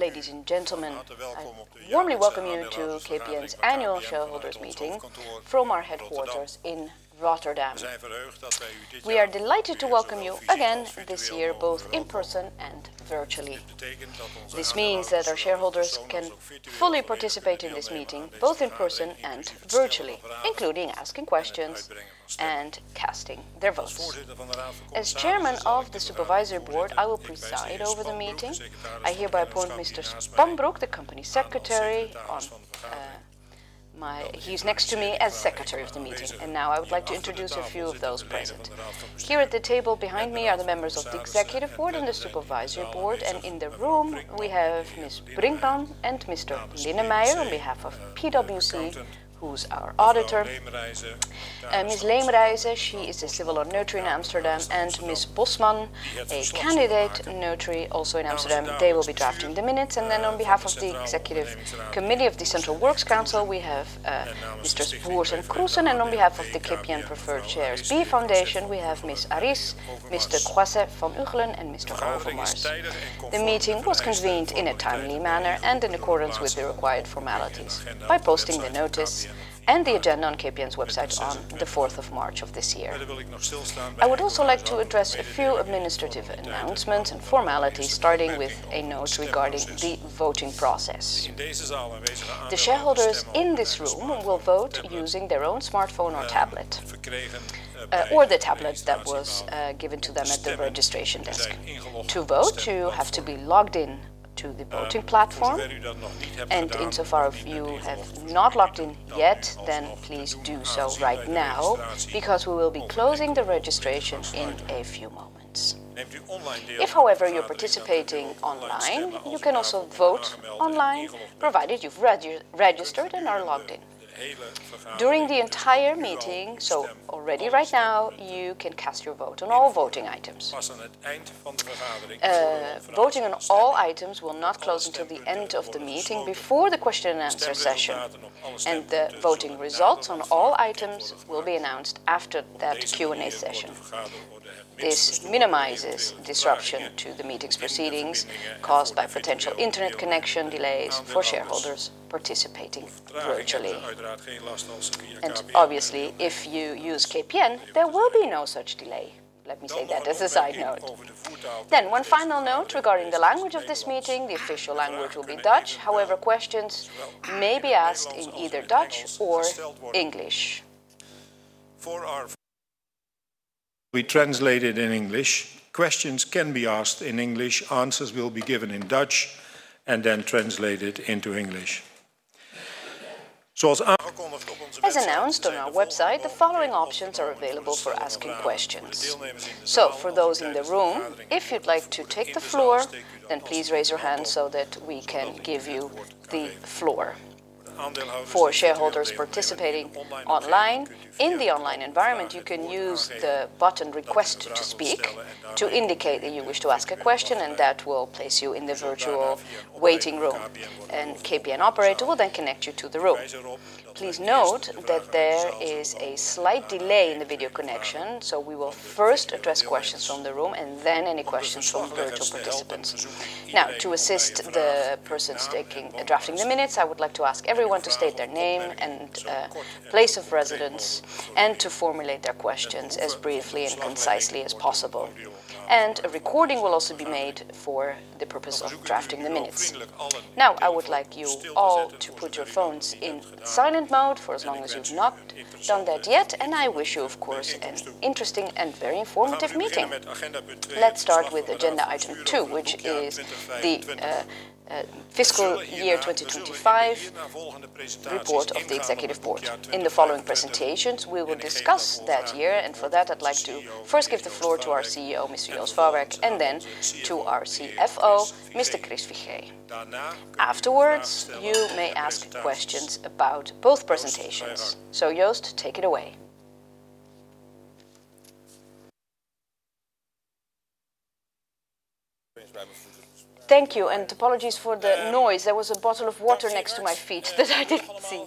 Ladies and gentlemen, I warmly welcome you to KPN's Annual Shareholders' Meeting from our headquarters in Rotterdam. We are delighted to welcome you again this year, both in person and virtually. This means that our shareholders can fully participate in this meeting, both in person and virtually, including asking questions and casting their votes. As Chairman of the Supervisory Board, I will preside over the meeting. I hereby appoint Mr. Spanbroek, the Company Secretary. He's next to me as Secretary of the meeting, and now I would like to introduce a few of those present. Here at the table behind me are the members of the Executive Board and the Supervisory Board, and in the room we have Ms. Brinkman and Mr. Lijnse on behalf of PwC, who's our auditor. Ms. Leemreize, she is a civil law notary in Amsterdam, and Ms. Bosman, a candidate notary also in Amsterdam. They will be drafting the minutes. On behalf of the Executive Committee of the Central Works Council, we have Mr. Voors and Kroesen, and on behalf of the KPN Preference Shares B Foundation, we have Ms. Aris, Mr. Croiset-Van Uchelen, and Mr. Overmars. The meeting was convened in a timely manner and in accordance with the required formalities by posting the notice and the agenda on KPN's website on the fourth of March of this year. I would also like to address a few administrative announcements and formalities, starting with a note regarding the voting process. The shareholders in this room will vote using their own smartphone or tablet, or the tablet that was given to them at the registration desk. To vote, you have to be logged in to the voting platform, and insofar you have not logged in yet, then please do so right now, because we will be closing the registration in a few moments. If, however, you're participating online, you can also vote online provided you've registered and are logged in. During the entire meeting, so already right now, you can cast your vote on all voting items. Voting on all items will not close until the end of the meeting before the question and answer session, and the voting results on all items will be announced after that Q&A session. This minimizes disruption to the meeting's proceedings caused by potential internet connection delays for shareholders participating virtually. Obviously, if you use KPN, there will be no such delay, let me say that as a side note. One final note regarding the language of this meeting, the official language will be Dutch. However, questions may be asked in either Dutch or English. will be translated in English. Questions can be asked in English. Answers will be given in Dutch and then translated into English. As announced on our website, the following options are available for asking questions. For those in the room, if you'd like to take the floor, then please raise your hand so that we can give you the floor. For shareholders participating online, in the online environment, you can use the button "Request to speak" to indicate that you wish to ask a question, and that will place you in the virtual waiting room. A KPN operator will then connect you to the room. Please note that there is a slight delay in the video connection, so we will first address questions from the room and then any questions from virtual participants. Now, to assist the persons drafting the minutes, I would like to ask everyone to state their name and place of residence, and to formulate their questions as briefly and concisely as possible. A recording will also be made for the purpose of drafting the minutes. Now, I would like you all to put your phones in silent mode for as long as you've not done that yet, and I wish you, of course, an interesting and very informative meeting. Let's start with agenda item two, which is the fiscal year 2025 report of the Executive Board. In the following presentations, we will discuss that year, and for that, I'd like to first give the floor to our CEO, Mr. Joost Farwerck, and then to our CFO, Mr. Chris Figee. Afterwards, you may ask questions about both presentations. Joost, take it away. Thank you, and apologies for the noise. There was a bottle of water next to my feet that I didn't see.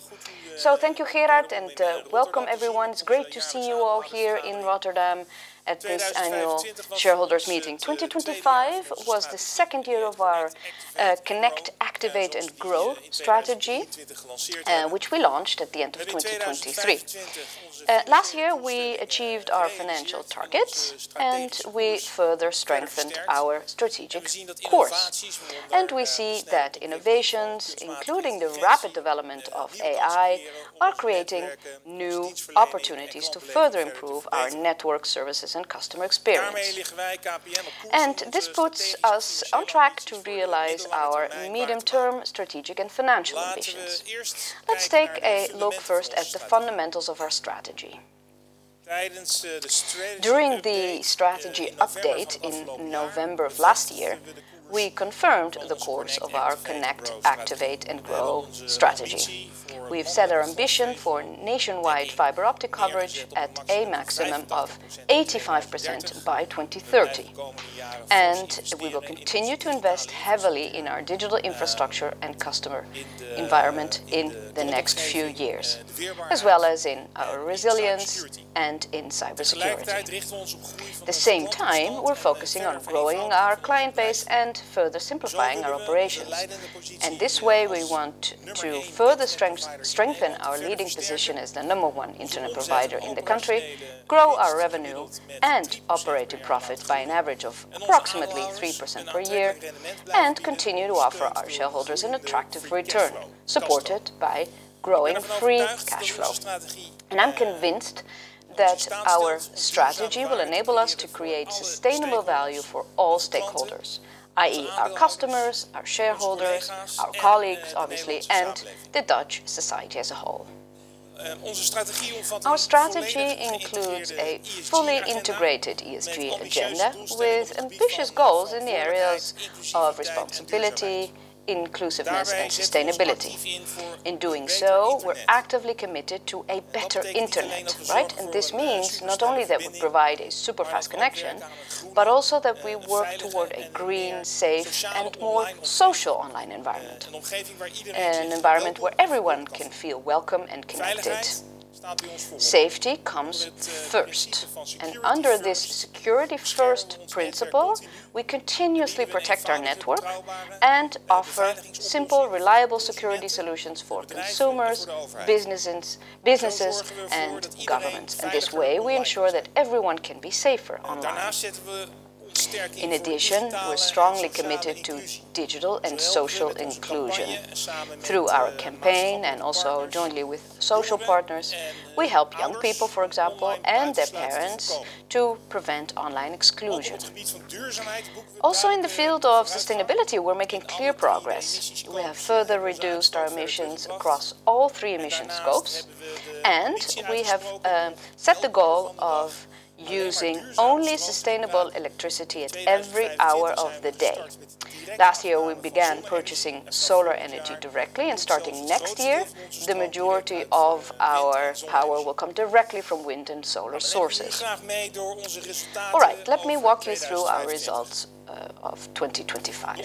Thank you, Gerard, and welcome everyone. It's great to see you all here in Rotterdam at this annual shareholders meeting. 2025 was the second year of our Connect, Activate and Grow strategy, which we launched at the end of 2023. Last year, we achieved our financial targets and we further strengthened our strategic course. We see that innovations, including the rapid development of AI, are creating new opportunities to further improve our network services and customer experience. This puts us on track to realize our medium-term strategic and financial ambitions. Let's take a look first at the fundamentals of our strategy. During the strategy update in November of last year, we confirmed the course of our Connect, Activate and Grow strategy. We've set our ambition for nationwide fiber optic coverage at a maximum of 85% by 2030. We will continue to invest heavily in our digital infrastructure and customer environment in the next few years, as well as in our resilience and in cybersecurity. At the same time, we're focusing on growing our client base and further simplifying our operations. This way we want to further strengthen our leading position as the number one internet provider in the country, grow our revenue and operating profit by an average of approximately 3% per-year, and continue to offer our shareholders an attractive return supported by growing free cash flow. I'm convinced that our strategy will enable us to create sustainable value for all stakeholders, i.e. our customers, our shareholders, our colleagues, obviously, and the Dutch society as a whole. Our strategy includes a fully integrated ESG agenda with ambitious goals in the areas of responsibility, inclusiveness, and sustainability. In doing so, we're actively committed to a better internet, right? This means not only that we provide a super-fast connection, but also that we work toward a green, safe, and more social online environment, an environment where everyone can feel welcome and connected. Safety comes first, and under this Security First principle, we continuously protect our network and offer simple, reliable security solutions for consumers, businesses, and governments. This way, we ensure that everyone can be safer online. In addition, we're strongly committed to digital and social inclusion. Through our campaign and also jointly with social partners, we help young people, for example, and their parents, to prevent online exclusion. Also in the field of sustainability, we're making clear progress. We have further reduced our emissions across all three emission scopes, and we have set the goal of using only sustainable electricity at every hour of the day. Last year, we began purchasing solar energy directly, and starting next year, the majority of our power will come directly from wind and solar sources. All right. Let me walk you through our results of 2025.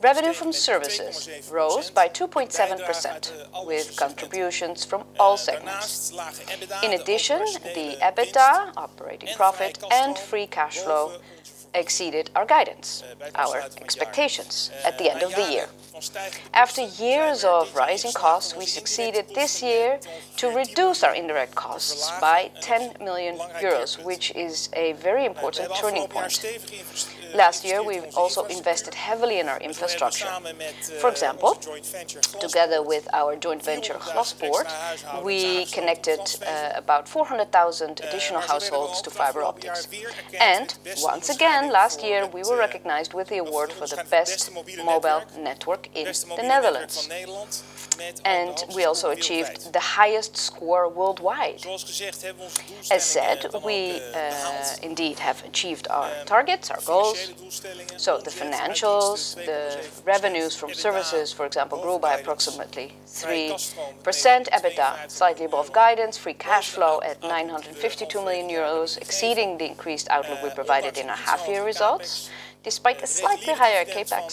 Revenue from services rose by 2.7%, with contributions from all segments. In addition, the EBITDA operating profit and free cash flow exceeded our guidance, our expectations at the end of the year. After years of rising costs, we succeeded this year to reduce our indirect costs by 10 million euros, which is a very important turning point. Last year, we also invested heavily in our infrastructure. For example, together with our joint venture, Glaspoort, we connected about 400,000 additional households to fiber optics. Once again last year we were recognized with the award for the best mobile network in the Netherlands. We also achieved the highest score worldwide. As said, we indeed have achieved our targets, our goals. The financials, the revenues from services, for example, grew by approximately 3%. EBITDA slightly above guidance, free cash flow at 952 million euros, exceeding the increased outlook we provided in our half-year results despite a slightly higher CapEx,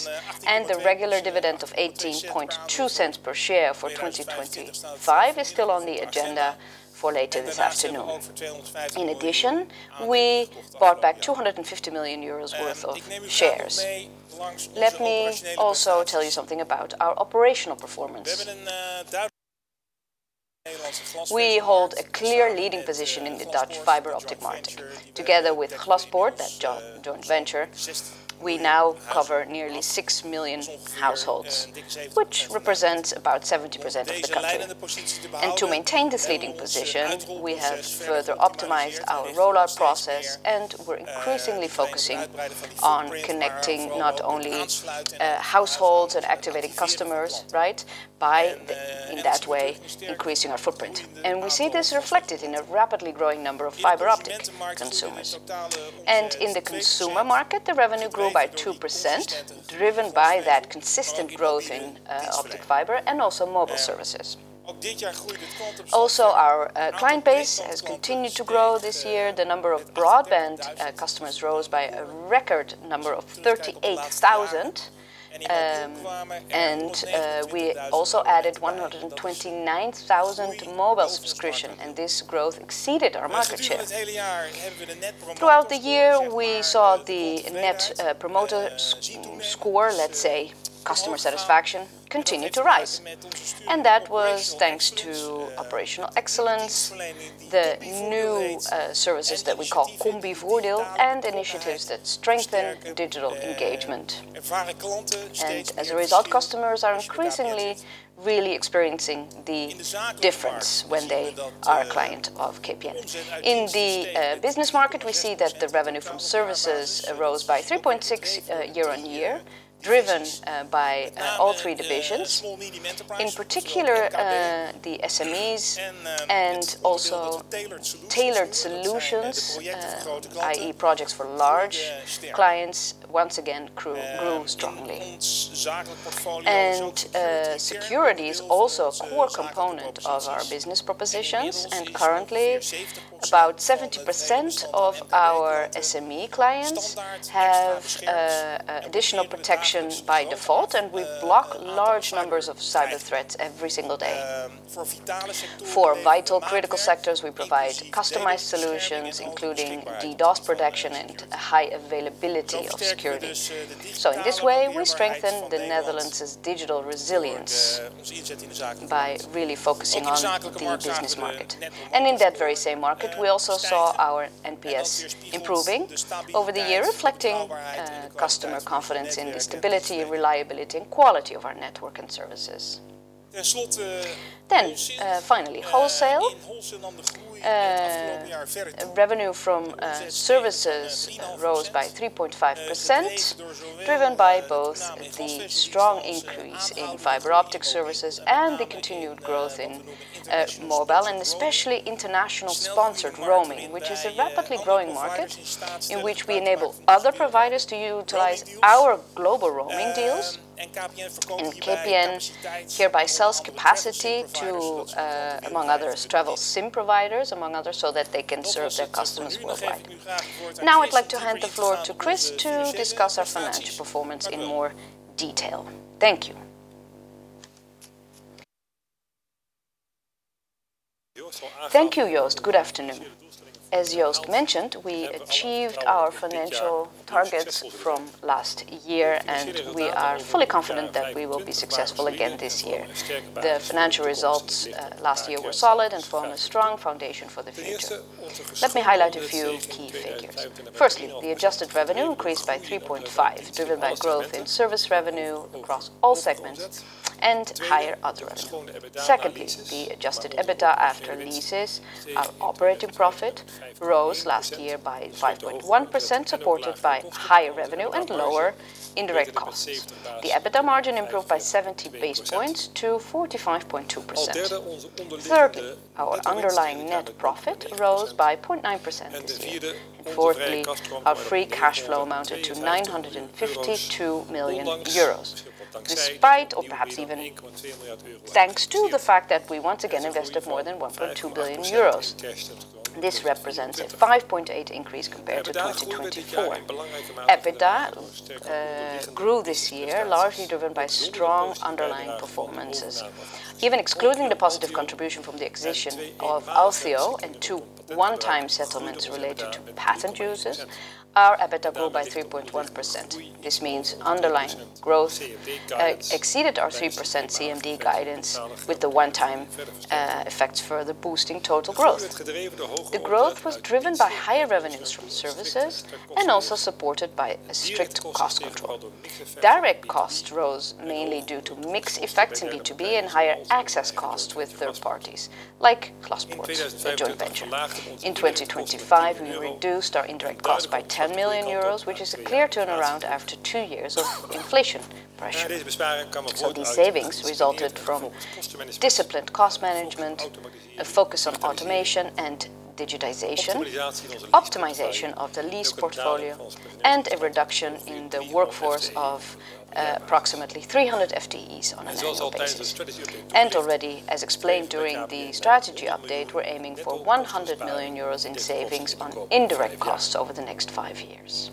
and the regular dividend of 0.182 per share for 2025 is still on the agenda for later this afternoon. In addition, we bought back 250 million euros worth of shares. Let me also tell you something about our operational performance. We hold a clear leading position in the Dutch fiber-optic market. Together with Glaspoort, that joint venture, we now cover nearly 6 million households, which represents about 70% of the country. To maintain this leading position, we have further optimized our rollout process, and we're increasingly focusing on connecting not only households and activating customers by in that way increasing our footprint. We see this reflected in a rapidly growing number of fiber optic consumers. In the consumer market, the revenue grew by 2%, driven by that consistent growth in optic fiber and also mobile services. Also, our client base has continued to grow this year. The number of broadband customers rose by a record number of 38,000. We also added 129,000 mobile subscriptions, and this growth exceeded our market share. Throughout the year, we saw the net promoter score, let's say customer satisfaction, continue to rise. That was thanks to operational excellence, the new services that we call Combivoordeel, and initiatives that strengthen digital engagement. As a result, customers are increasingly really experiencing the difference when they are a client of KPN. In the business market, we see that the revenue from services rose by 3.6% quarter-over-quarter, driven by all three divisions. In particular, the SMEs and also tailored solutions, i.e. projects for large clients once again grew strongly. Security is also a core component of our business propositions. Currently, about 70% of our SME clients have additional protection by default, and we block large numbers of cyber threats every single day. For vital critical sectors, we provide customized solutions, including DDoS protection and high availability of security. In this way, we strengthen the Netherlands' digital resilience by really focusing on the business market. In that very same market, we also saw our NPS improving over the year, reflecting customer confidence in the stability, reliability, and quality of our network and services. Finally, wholesale. Revenue from services rose by 3.5%, driven by both the strong increase in fiber optic services and the continued growth in mobile, and especially international sponsored roaming, which is a rapidly growing market in which we enable other providers to utilize our global roaming deals. KPN hereby sells capacity to, among others, travel SIM providers, among others, so that they can serve their customers worldwide. Now I'd like to hand the floor to Chris to discuss our financial performance in more detail. Thank you. Thank you, Joost. Good afternoon. As Joost mentioned, we achieved our financial targets from last year, and we are fully confident that we will be successful again this year. The financial results last year were solid and form a strong foundation for the future. Let me highlight a few key figures. Firstly, the adjusted revenue increased by 3.5%, driven by growth in service revenue across all segments and higher other revenue. Second piece, the adjusted EBITDA after leases. Our operating profit rose last year by 5.1%, supported by higher revenue and lower indirect costs. The EBITDA margin improved by 70 basis points to 45.2%. Thirdly, our underlying net profit rose by 0.9% this year. Fourthly, our free cash flow amounted to 952 million euros. Despite, or perhaps even thanks to, the fact that we once again invested more than 1.2 billion euros. This represents a 5.8% increase compared to 2024. EBITDA grew this year, largely driven by strong underlying performances. Even excluding the positive contribution from the acquisition of Alcadis and two one-time settlements related to patent uses, our EBITDA grew by 3.1%. This means underlying growth exceeded our 3% CMD guidance with the one-time effects further boosting total growth. The growth was driven by higher revenues from services and also supported by a strict cost control. Direct costs rose mainly due to mix effects in B2B and higher access costs with third parties like Glaspoort, the joint venture. In 2025, we reduced our indirect costs by 10 million euros, which is a clear turnaround after two years of inflation pressure. These savings resulted from disciplined cost management, a focus on automation and digitization, optimization of the lease portfolio, and a reduction in the workforce of approximately 300 FTEs on an annual basis. Already, as explained during the strategy update, we're aiming for 100 million euros in savings on indirect costs over the next five years.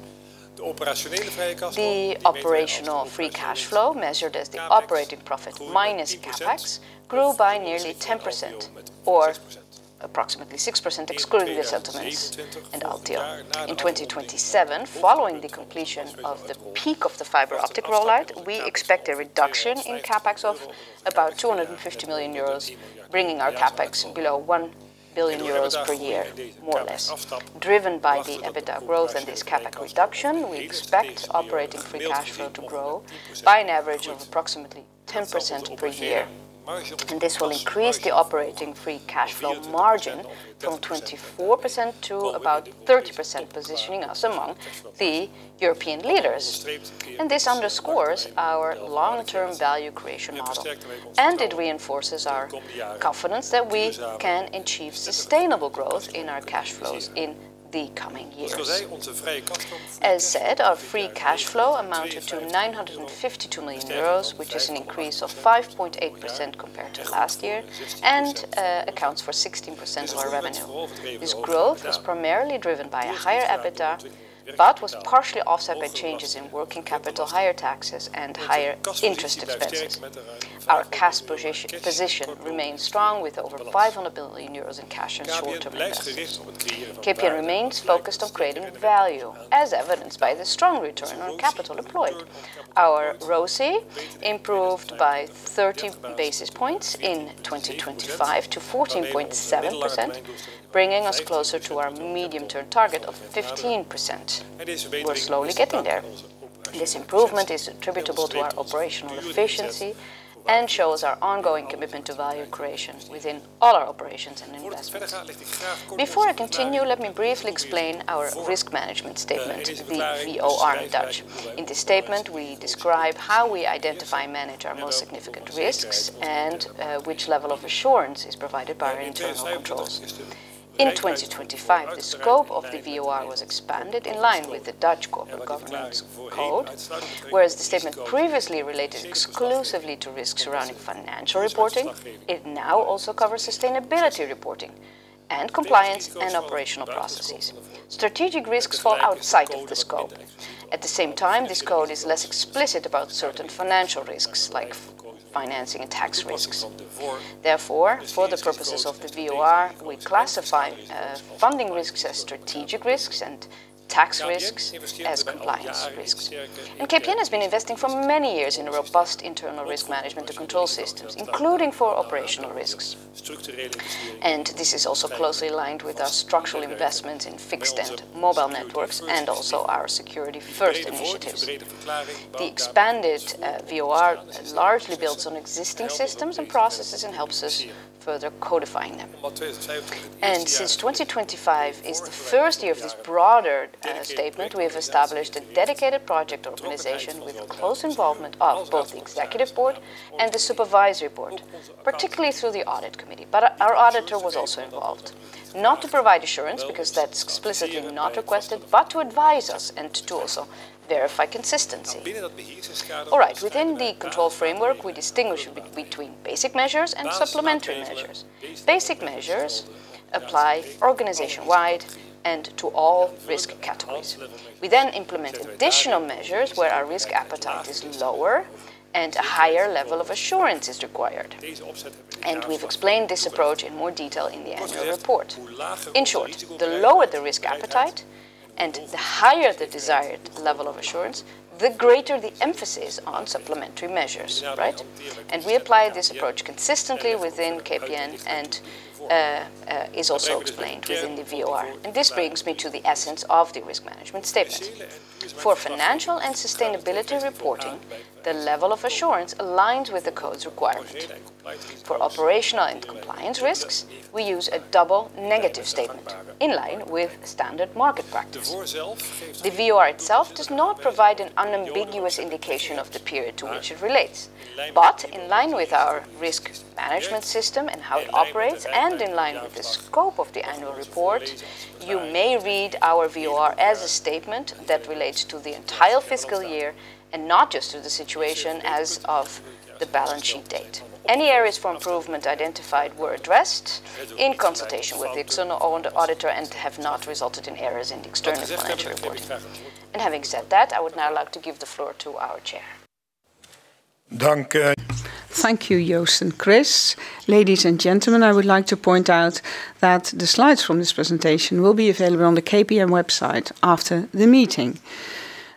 The operational free cash flow, measured as the operating profit minus CapEx, grew by nearly 10%, or approximately 6% excluding the settlements and Althio. In 2027, following the completion of the peak of the fiber optic rollout, we expect a reduction in CapEx of about 250 million euros, bringing our CapEx below 1 billion euros per year, more or less. Driven by the EBITDA growth and this CapEx reduction, we expect operating free cash flow to grow by an average of approximately 10% per year. This will increase the operating free cash flow margin from 24% to about 30%, positioning us among the European leaders. This underscores our long-term value creation model, and it reinforces our confidence that we can achieve sustainable growth in our cash flows in the coming years. As said, our free cash flow amounted to 952 million euros, which is an increase of 5.8% compared to last year and accounts for 16% of our revenue. This growth was primarily driven by a higher EBITDA, but was partially offset by changes in working capital, higher taxes, and higher interest expenses. Our cash position remains strong with over 500 billion euros in cash and short-term investments. KPN remains focused on creating value, as evidenced by the strong return on capital employed. Our ROCE improved by 30 basis points in 2025 to 14.7%, bringing us closer to our medium-term target of 15%. We're slowly getting there. This improvement is attributable to our operational efficiency and shows our ongoing commitment to value creation within all our operations and investments. Before I continue, let me briefly explain our risk management statement, the VOR in Dutch. In this statement, we describe how we identify and manage our most significant risks and which level of assurance is provided by our internal controls. In 2025, the scope of the VOR was expanded in line with the Dutch Corporate Governance Code. Whereas the statement previously related exclusively to risks surrounding financial reporting, it now also covers sustainability reporting and compliance and operational processes. Strategic risks fall outside of this code. At the same time, this code is less explicit about certain financial risks, like financing and tax risks. Therefore, for the purposes of the VOR, we classify funding risks as strategic risks and tax risks as compliance risks. KPN has been investing for many years in a robust internal risk management and control systems, including for operational risks. This is also closely aligned with our structural investments in fixed and mobile networks and also our security-first initiatives. The expanded VOR largely builds on existing systems and processes and helps us further codifying them. Since 2025 is the first year of this broader statement, we've established a dedicated project organization with close involvement of both the Executive Board and the Supervisory Board, particularly through the Audit Committee. Our auditor was also involved, not to provide assurance, because that's explicitly not requested, but to advise us and to also verify consistency. All right. Within the control framework, we distinguish between basic measures and supplementary measures. Basic measures apply organization-wide and to all risk categories. We then implement additional measures where our risk appetite is lower and a higher level of assurance is required. We've explained this approach in more detail in the annual report. In short, the lower the risk appetite and the higher the desired level of assurance, the greater the emphasis on supplementary measures. Right? We apply this approach consistently within KPN and is also explained within the VOR. This brings me to the essence of the risk management statement. For financial and sustainability reporting, the level of assurance aligns with the Code's requirement. For operational and compliance risks, we use a double negative statement in line with standard market practice. The VOR itself does not provide an unambiguous indication of the period to which it relates, but in line with our risk management system and how it operates, and in line with the scope of the annual report, you may read our VOR as a statement that relates to the entire fiscal year and not just to the situation as of the balancing date. Any areas for improvement identified were addressed in consultation with the External Auditor and have not resulted in errors in the external financial reporting. Having said that, I would now like to give the floor to our Chair. Thank you, Joost and Chris. Ladies and gentlemen, I would like to point out that the slides from this presentation will be available on the KPN website after the meeting.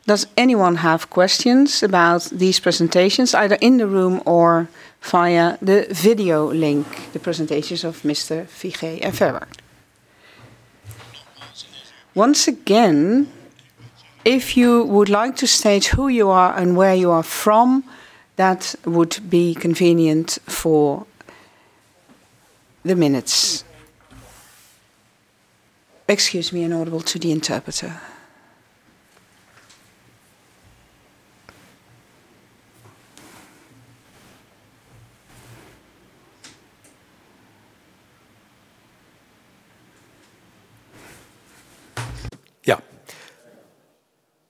Does anyone have questions about these presentations, either in the room or via the video link, the presentations of Mr. Figee and Farwerck? Once again, if you would like to state who you are and where you are from, that would be convenient for the minutes. Excuse me. Yeah. All will be well. My name is Robert Fregée of WeConnectYou, and I'm from Amsterdam. I am specialized on a dialogue with businesses and the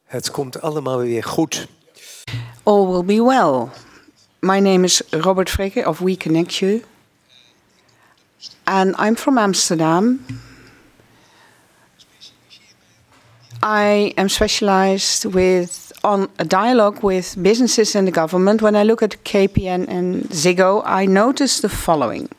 government. When I look at KPN and Ziggo, I notice the following.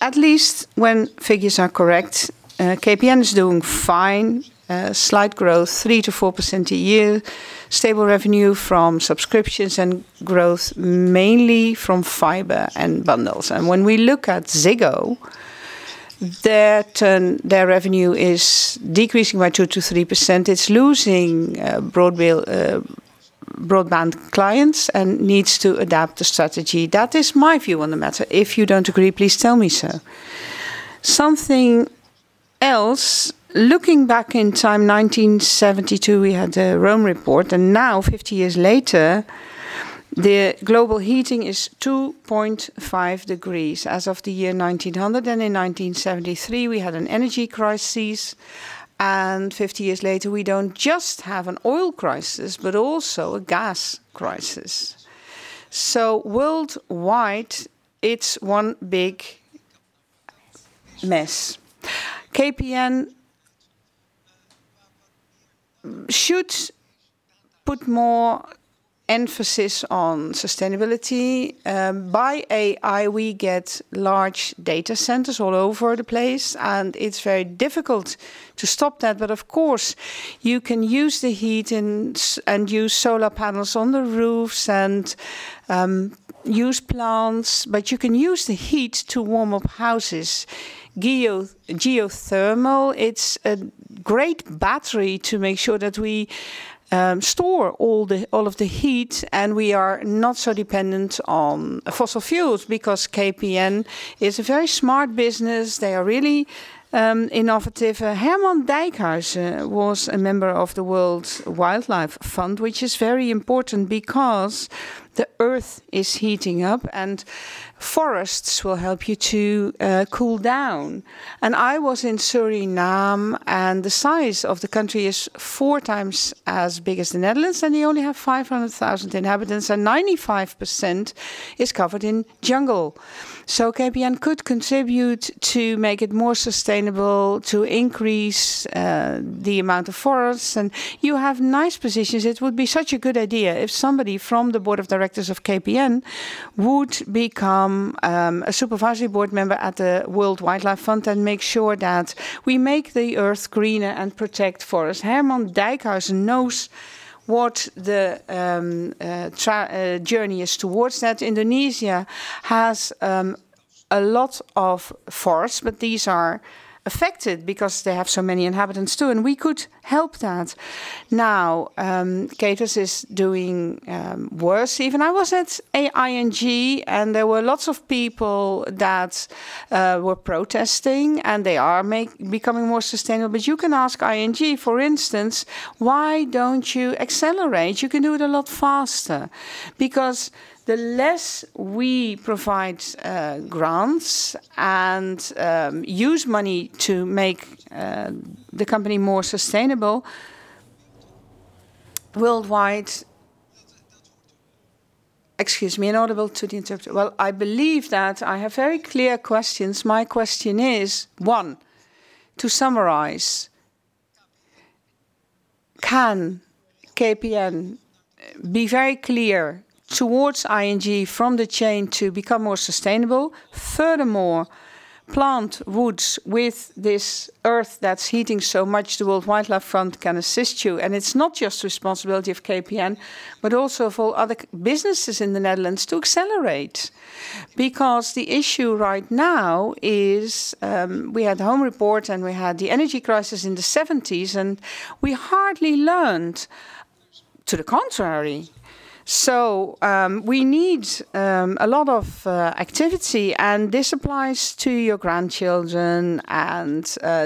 At least when figures are correct, KPN is doing fine. Slight growth, 3%-4% a year, stable revenue from subscriptions, and growth mainly from fiber and bundles. When we look at Ziggo, their revenue is decreasing by 2%-3%. It's losing broadband clients and needs to adapt the strategy. That is my view on the matter. If you don't agree, please tell me so. Something else. Looking back in time, 1972, we had the Rome report, and now, 50 years later, the global heating is 2.5 degrees as of the year 1900. In 1973, we had an energy crisis, and 50 years later, we don't just have an oil crisis, but also a gas crisis. Worldwide, it's one big mess. KPN should put more emphasis on sustainability. By AI, we get large data centers all over the place, and it's very difficult to stop that. Of course, you can use the heat and use solar panels on the roofs and use plants, but you can use the heat to warm up houses. Geothermal, it's a great battery to make sure that we store all of the heat, and we are not so dependent on fossil fuels, because KPN is a very smart business. They are really innovative. Herman Dijkhuizen was a member of the World Wildlife Fund, which is very important because the Earth is heating up, and forests will help you to cool down. I was in Suriname, and the size of the country is four times as big as the Netherlands, and you only have 500,000 inhabitants, and 95% is covered in jungle. KPN could contribute to make it more sustainable to increase the amount of forests, and you have nice positions. It would be such a good idea if somebody from the Board of Directors of KPN would become a Supervisory Board member at the World Wildlife Fund and make sure that we make the Earth greener and protect forests. Herman Dijkhuizen knows what the journey is towards that. Indonesia has a lot of forests, but these are affected because they have so many inhabitants, too, and we could help that. Now, KPN is doing worse even. I was at ING, and there were lots of people that were protesting, and they are becoming more sustainable. You can ask ING, for instance, why don't you accelerate? You can do it a lot faster because the less we provide grants and use money to make the company more sustainable worldwide. Well, I believe that I have very clear questions. My question is, one, to summarize. Can KPN be very clear towards ING from the chain to become more sustainable? Furthermore, plant woods with this Earth that's heating so much. The World Wildlife Fund can assist you. It's not just responsibility of KPN, but also for other businesses in the Netherlands to accelerate. Because the issue right now is we had the Club of Rome report and we had the energy crisis in the 1970s, and we hardly learned. To the contrary. We need a lot of activity, and this applies to your grandchildren and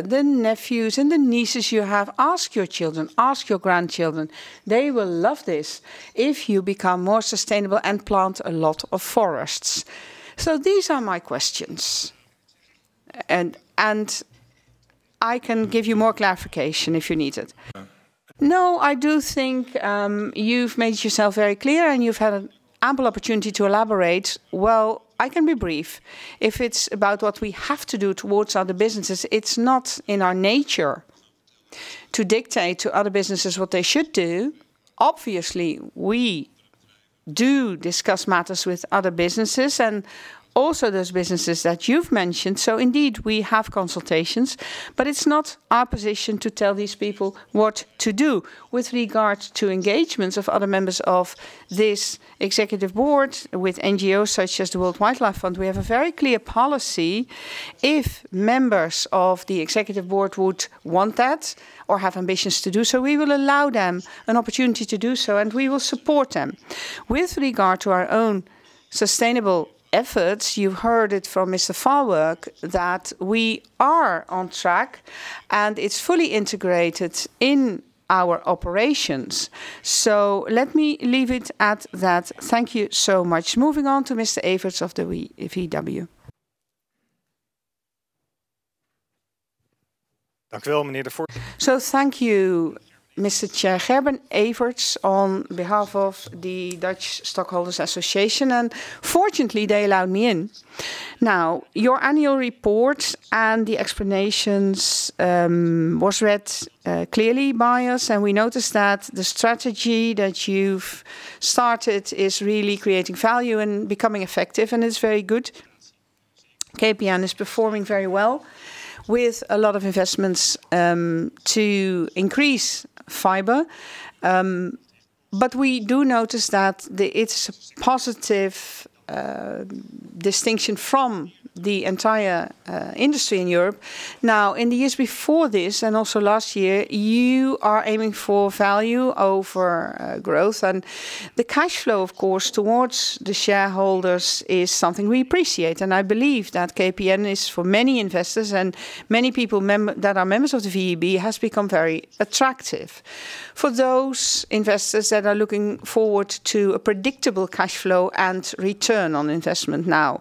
the nephews and the nieces you have. Ask your children, ask your grandchildren. They will love this if you become more sustainable and plant a lot of forests. These are my questions, and I can give you more clarification if you need it. No. No, I do think you've made yourself very clear, and you've had an ample opportunity to elaborate. Well, I can be brief. If it's about what we have to do towards other businesses, it's not in our nature to dictate to other businesses what they should do. Obviously, we do discuss matters with other businesses and also those businesses that you've mentioned. Indeed, we have consultations. It's not our position to tell these people what to do. With regard to engagements of other members of this Executive Board with NGOs such as the World Wildlife Fund, we have a very clear policy. If members of the Executive Board would want that or have ambitions to do so, we will allow them an opportunity to do so, and we will support them. With regard to our own sustainable efforts, you heard it from Mr. Farwerck that we are on track, and it's fully integrated in our operations. Let me leave it at that. Thank you so much. Moving on to Mr. Everts of the VEB. Thank you, Mr. Chair Gerben Everts on behalf of the Dutch Shareholders' Association, and fortunately, they allowed me in. Now, your annual report and the explanations was read clearly by us, and we noticed that the strategy that you've started is really creating value and becoming effective and is very good. KPN is performing very well with a lot of investments to increase fiber, but we do notice that it's a positive distinction from the entire industry in Europe. Now, in the years before this and also last year, you are aiming for value over growth. The cash flow, of course, towards the shareholders is something we appreciate. I believe that KPN is for many investors and many people that are members of the VEB has become very attractive for those investors that are looking forward to a predictable cash flow and return on investment. Now,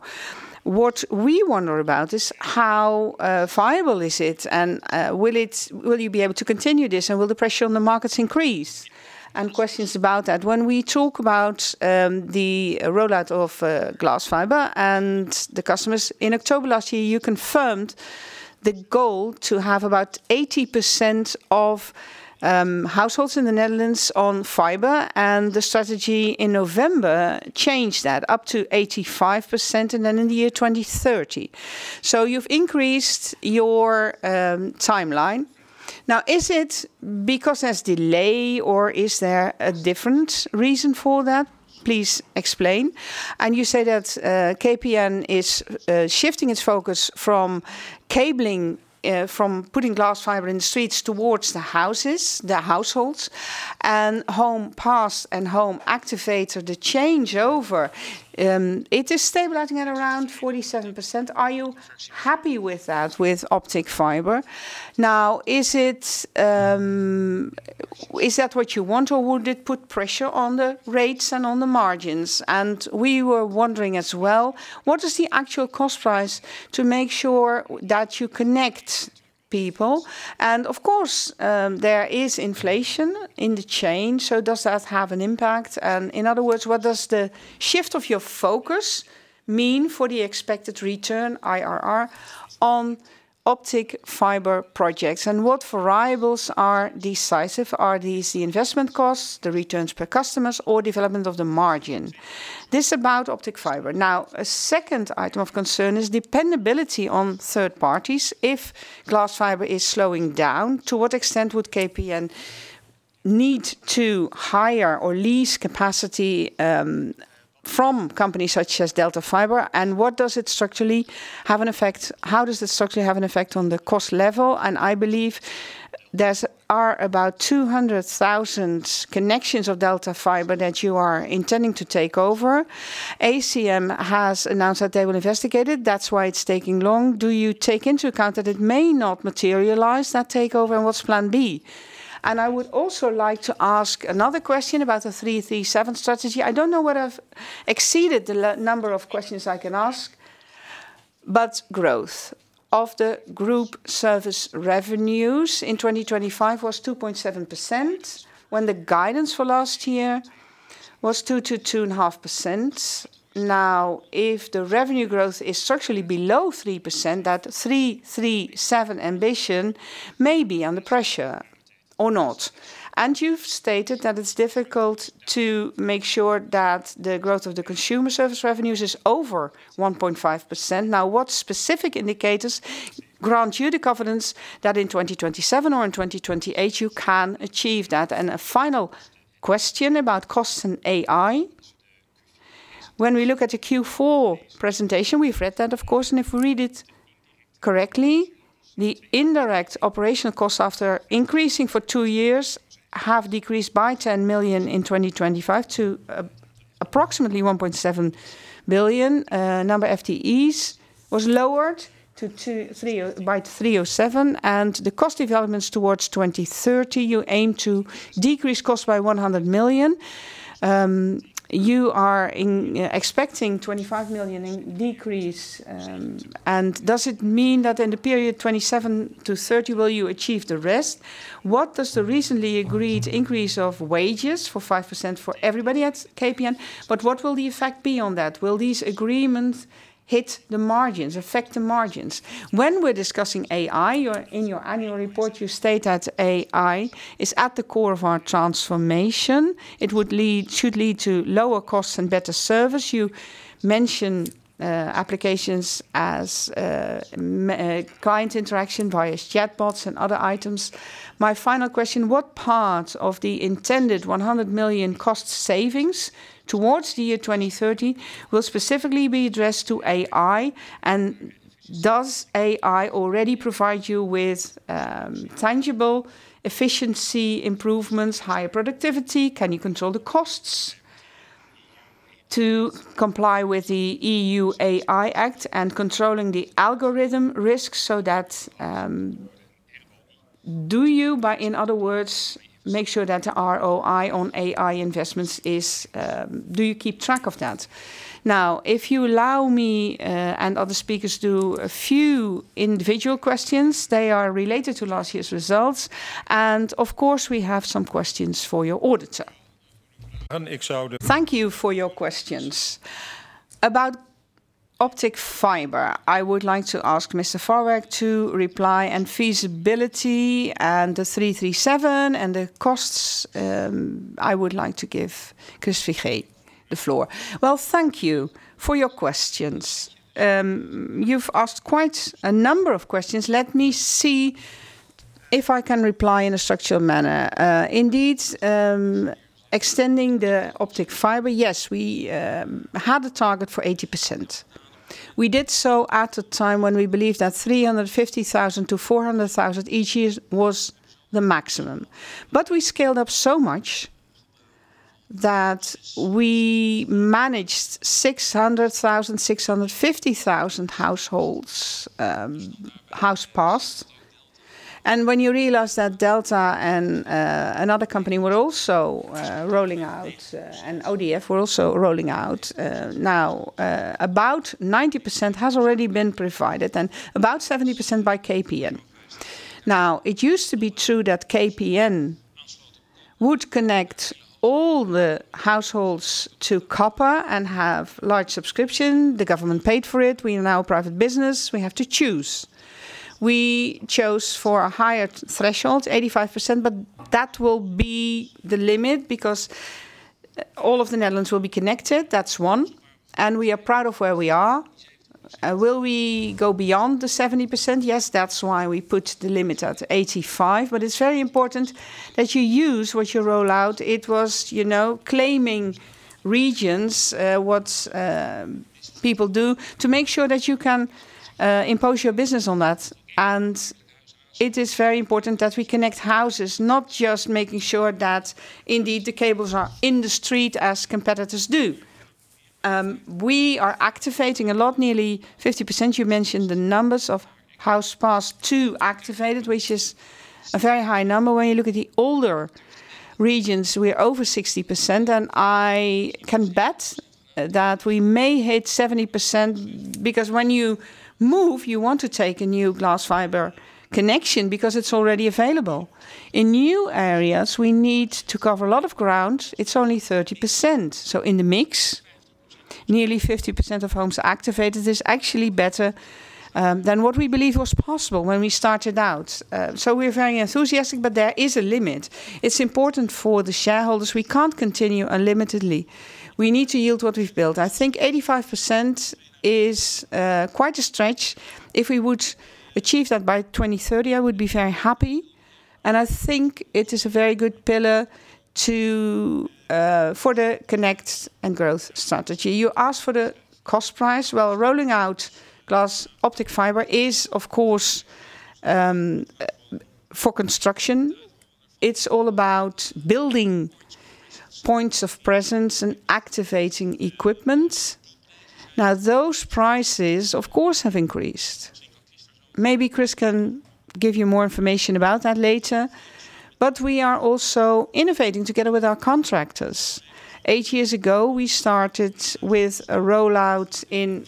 what we wonder about is how viable is it, and will you be able to continue this, and will the pressure on the markets increase? Questions about that. When we talk about the rollout of glass fiber and the customers, in October last year, you confirmed the goal to have about 80% of households in the Netherlands on fiber, and the strategy in November changed that up to 85% and then in the year 2030. You've increased your timeline. Now, is it because there's delay or is there a different reason for that? Please explain. You say that KPN is shifting its focus from cabling, from putting glass fiber in the streets towards the houses, the households. Homes Passed and Homes Activated, the changeover, it is stabilizing at around 47%. Are you happy with that, with optic fiber? Now, is that what you want, or would it put pressure on the rates and on the margins? We were wondering as well, what is the actual cost price to make sure that you connect people? Of course, there is inflation in the chain, so does that have an impact? In other words, what does the shift of your focus mean for the expected return, IRR, on optic fiber projects? What variables are decisive? Are these the investment costs, the returns per customers, or development of the margin? This about optic fiber. Now, a second item of concern is dependability on third parties. If glass fiber is slowing down, to what extent would KPN need to hire or lease capacity from companies such as DELTA Fiber? How does it structurally have an effect on the cost level? I believe there are about 200,000 connections of DELTA Fiber that you are intending to take over. ACM has announced that they will investigate it, that's why it's taking long. Do you take into account that it may not materialize, that takeover, and what's Plan B? I would also like to ask another question about the 3-3-7 strategy. I don't know whether I've exceeded the number of questions I can ask. Growth of the group service revenues in 2025 was 2.7%, when the guidance for last year was 2%-2.5%. Now, if the revenue growth is structurally below 3%, that 3-3-7 ambition may be under pressure or not. You've stated that it's difficult to make sure that the growth of the consumer service revenues is over 1.5%. Now, what specific indicators grant you the confidence that in 2027 or in 2028 you can achieve that? A final question about costs and AI. When we look at the Q4 presentation, we've read that of course, and if we read it correctly, the indirect operational costs after increasing for two years have decreased by 10 million in 2025 to approximately 1.7 billion. Number FTEs was lowered by 307. The cost developments towards 2030, you aim to decrease costs by 100 million. You are expecting 25 million in decrease. Does it mean that in the period 2027-2030 will you achieve the rest? The recently agreed increase of wages for 5% for everybody at KPN, what will the effect be on that? Will these agreements hit the margins, affect the margins? When we're discussing AI, in your annual report, you state that AI is at the core of our transformation. It should lead to lower costs and better service. You mention applications as client interaction via chatbots and other items. My final question, what part of the intended 100 million cost savings towards the year 2030 will specifically be addressed to AI? Does AI already provide you with tangible efficiency improvements, higher productivity? Can you control the costs to comply with the EU AI Act and controlling the algorithm risks? Do you, in other words, make sure that the ROI on AI investments, do you keep track of that? Now, if you allow me, and other speakers too, a few individual questions, they are related to last year's results. Of course, we have some questions for your Auditor. Thank you for your questions. About optic fiber, I would like to ask Mr. Farwerck to reply. Feasibility and the 3-3-7 and the costs, I would like to give Chris Figee the floor. Well, thank you for your questions. You've asked quite a number of questions. Let me see if I can reply in a structural manner. Indeed, extending the optic fiber, yes, we had a target for 80%. We did so at a time when we believed that 350,000-400,000 each year was the maximum. We scaled up so much that we managed 600,000, 650,000 households, Homes Passed. When you realize that DELTA and another company were also rolling out, and ODF were also rolling out. Now, about 90% has already been provided, and about 70% by KPN. Now, it used to be true that KPN would connect all the households to copper and have large subscription. The government paid for it. We are now a private business. We have to choose. We chose for a higher threshold, 85%, but that will be the limit because all of the Netherlands will be connected. That's one, and we are proud of where we are. Will we go beyond the 70%? Yes, that's why we put the limit at 85%. It's very important that you use what you roll out. It was claiming regions, what people do, to make sure that you can impose your business on that. It is very important that we connect houses, not just making sure that indeed the cables are in the street as competitors do. We are activating a lot, nearly 50%. You mentioned the numbers of Homes Passed to activated, which is a very high number. When you look at the older regions, we are over 60% and I can bet that we may hit 70%, because when you move, you want to take a new glass fiber connection because it's already available. In new areas, we need to cover a lot of ground. It's only 30%. In the mix, nearly 50% of Homes Activated is actually better than what we believe was possible when we started out. We're very enthusiastic, but there is a limit. It's important for the shareholders. We can't continue unlimitedly. We need to yield what we've built. I think 85% is quite a stretch. If we would achieve that by 2030, I would be very happy. I think it is a very good pillar for the Connect and Growth strategy. You ask for the cost price. Well, rolling out glass optic fiber is, of course, for construction. It's all about building points of presence and activating equipment. Now, those prices, of course, have increased. Maybe Chris can give you more information about that later. We are also innovating together with our contractors. Eight years ago, we started with a rollout in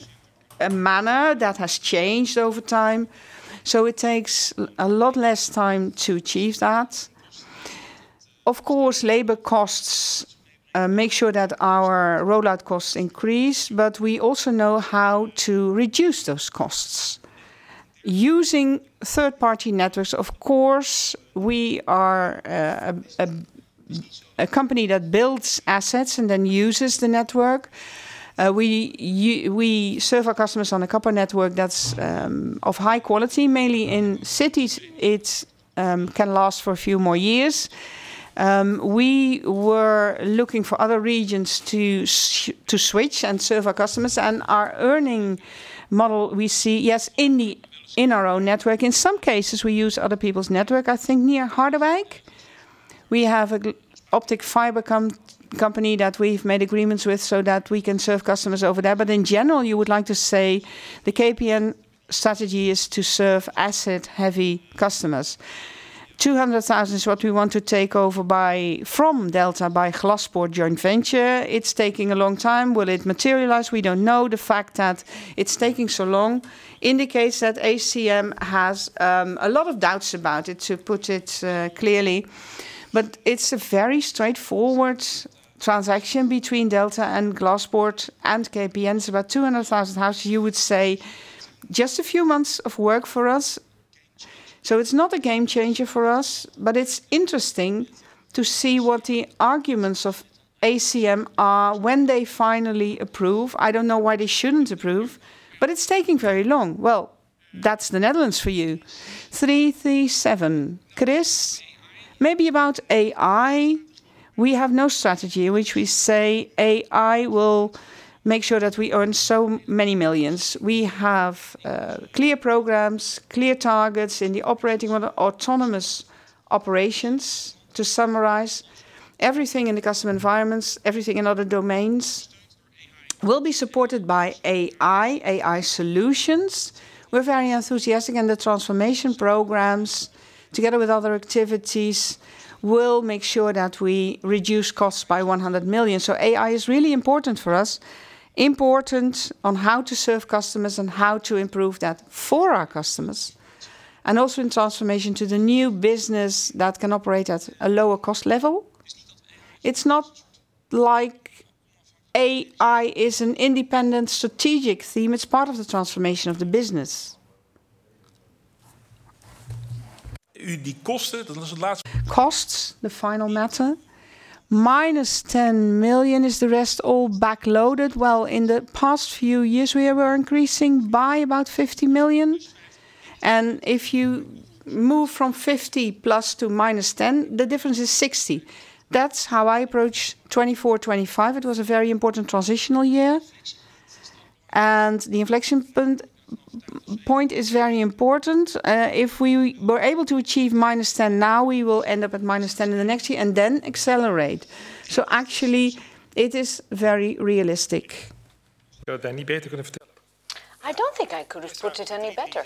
a manner that has changed over time. It takes a lot less time to achieve that. Of course, labor costs make sure that our rollout costs increase, but we also know how to reduce those costs. Using third-party networks, of course, we are a company that builds assets and then uses the network. We serve our customers on a copper network that's of high quality. Mainly in cities, it can last for a few more years. We were looking for other regions to switch and serve our customers. Our earning model we see, yes, in our own network. In some cases, we use other people's network. I think near Harderwijk, we have an optic fiber company that we've made agreements with so that we can serve customers over there. In general, you would like to say the KPN strategy is to serve asset-heavy customers. 200,000 is what we want to take over from DELTA by Glaspoort joint venture. It's taking a long time. Will it materialize? We don't know. The fact that it's taking so long indicates that ACM has a lot of doubts about it, to put it clearly. It's a very straightforward transaction between DELTA and Glaspoort and KPN. It's about 200,000 houses. You would say just a few months of work for us. It's not a game changer for us, but it's interesting to see what the arguments of ACM are when they finally approve. I don't know why they shouldn't approve, but it's taking very long. Well, that's the Netherlands for you. 3-3-7. Chris, maybe about AI. We have no strategy in which we say AI will make sure that we earn so many millions. We have clear programs, clear targets in the operating on autonomous operations. To summarize, everything in the customer environments, everything in other domains will be supported by AI solutions. We're very enthusiastic, and the transformation programs, together with other activities, will make sure that we reduce costs by 100 million. AI is really important for us, important on how to serve customers and how to improve that for our customers, and also in transformation to the new business that can operate at a lower cost level. It's not like AI is an independent strategic theme. It's part of the transformation of the business. Costs, the final matter. -10 million. Is the rest all backloaded? Well, in the past few years, we were increasing by about 50 million. If you move from 50+ to -10, the difference is 60. That's how I approach 2024, 2025. It was a very important transitional year, and the inflection point is very important. If we were able to achieve -10 now, we will end up at -10 in the next year and then accelerate. Actually it is very realistic. I don't think I could have put it any better.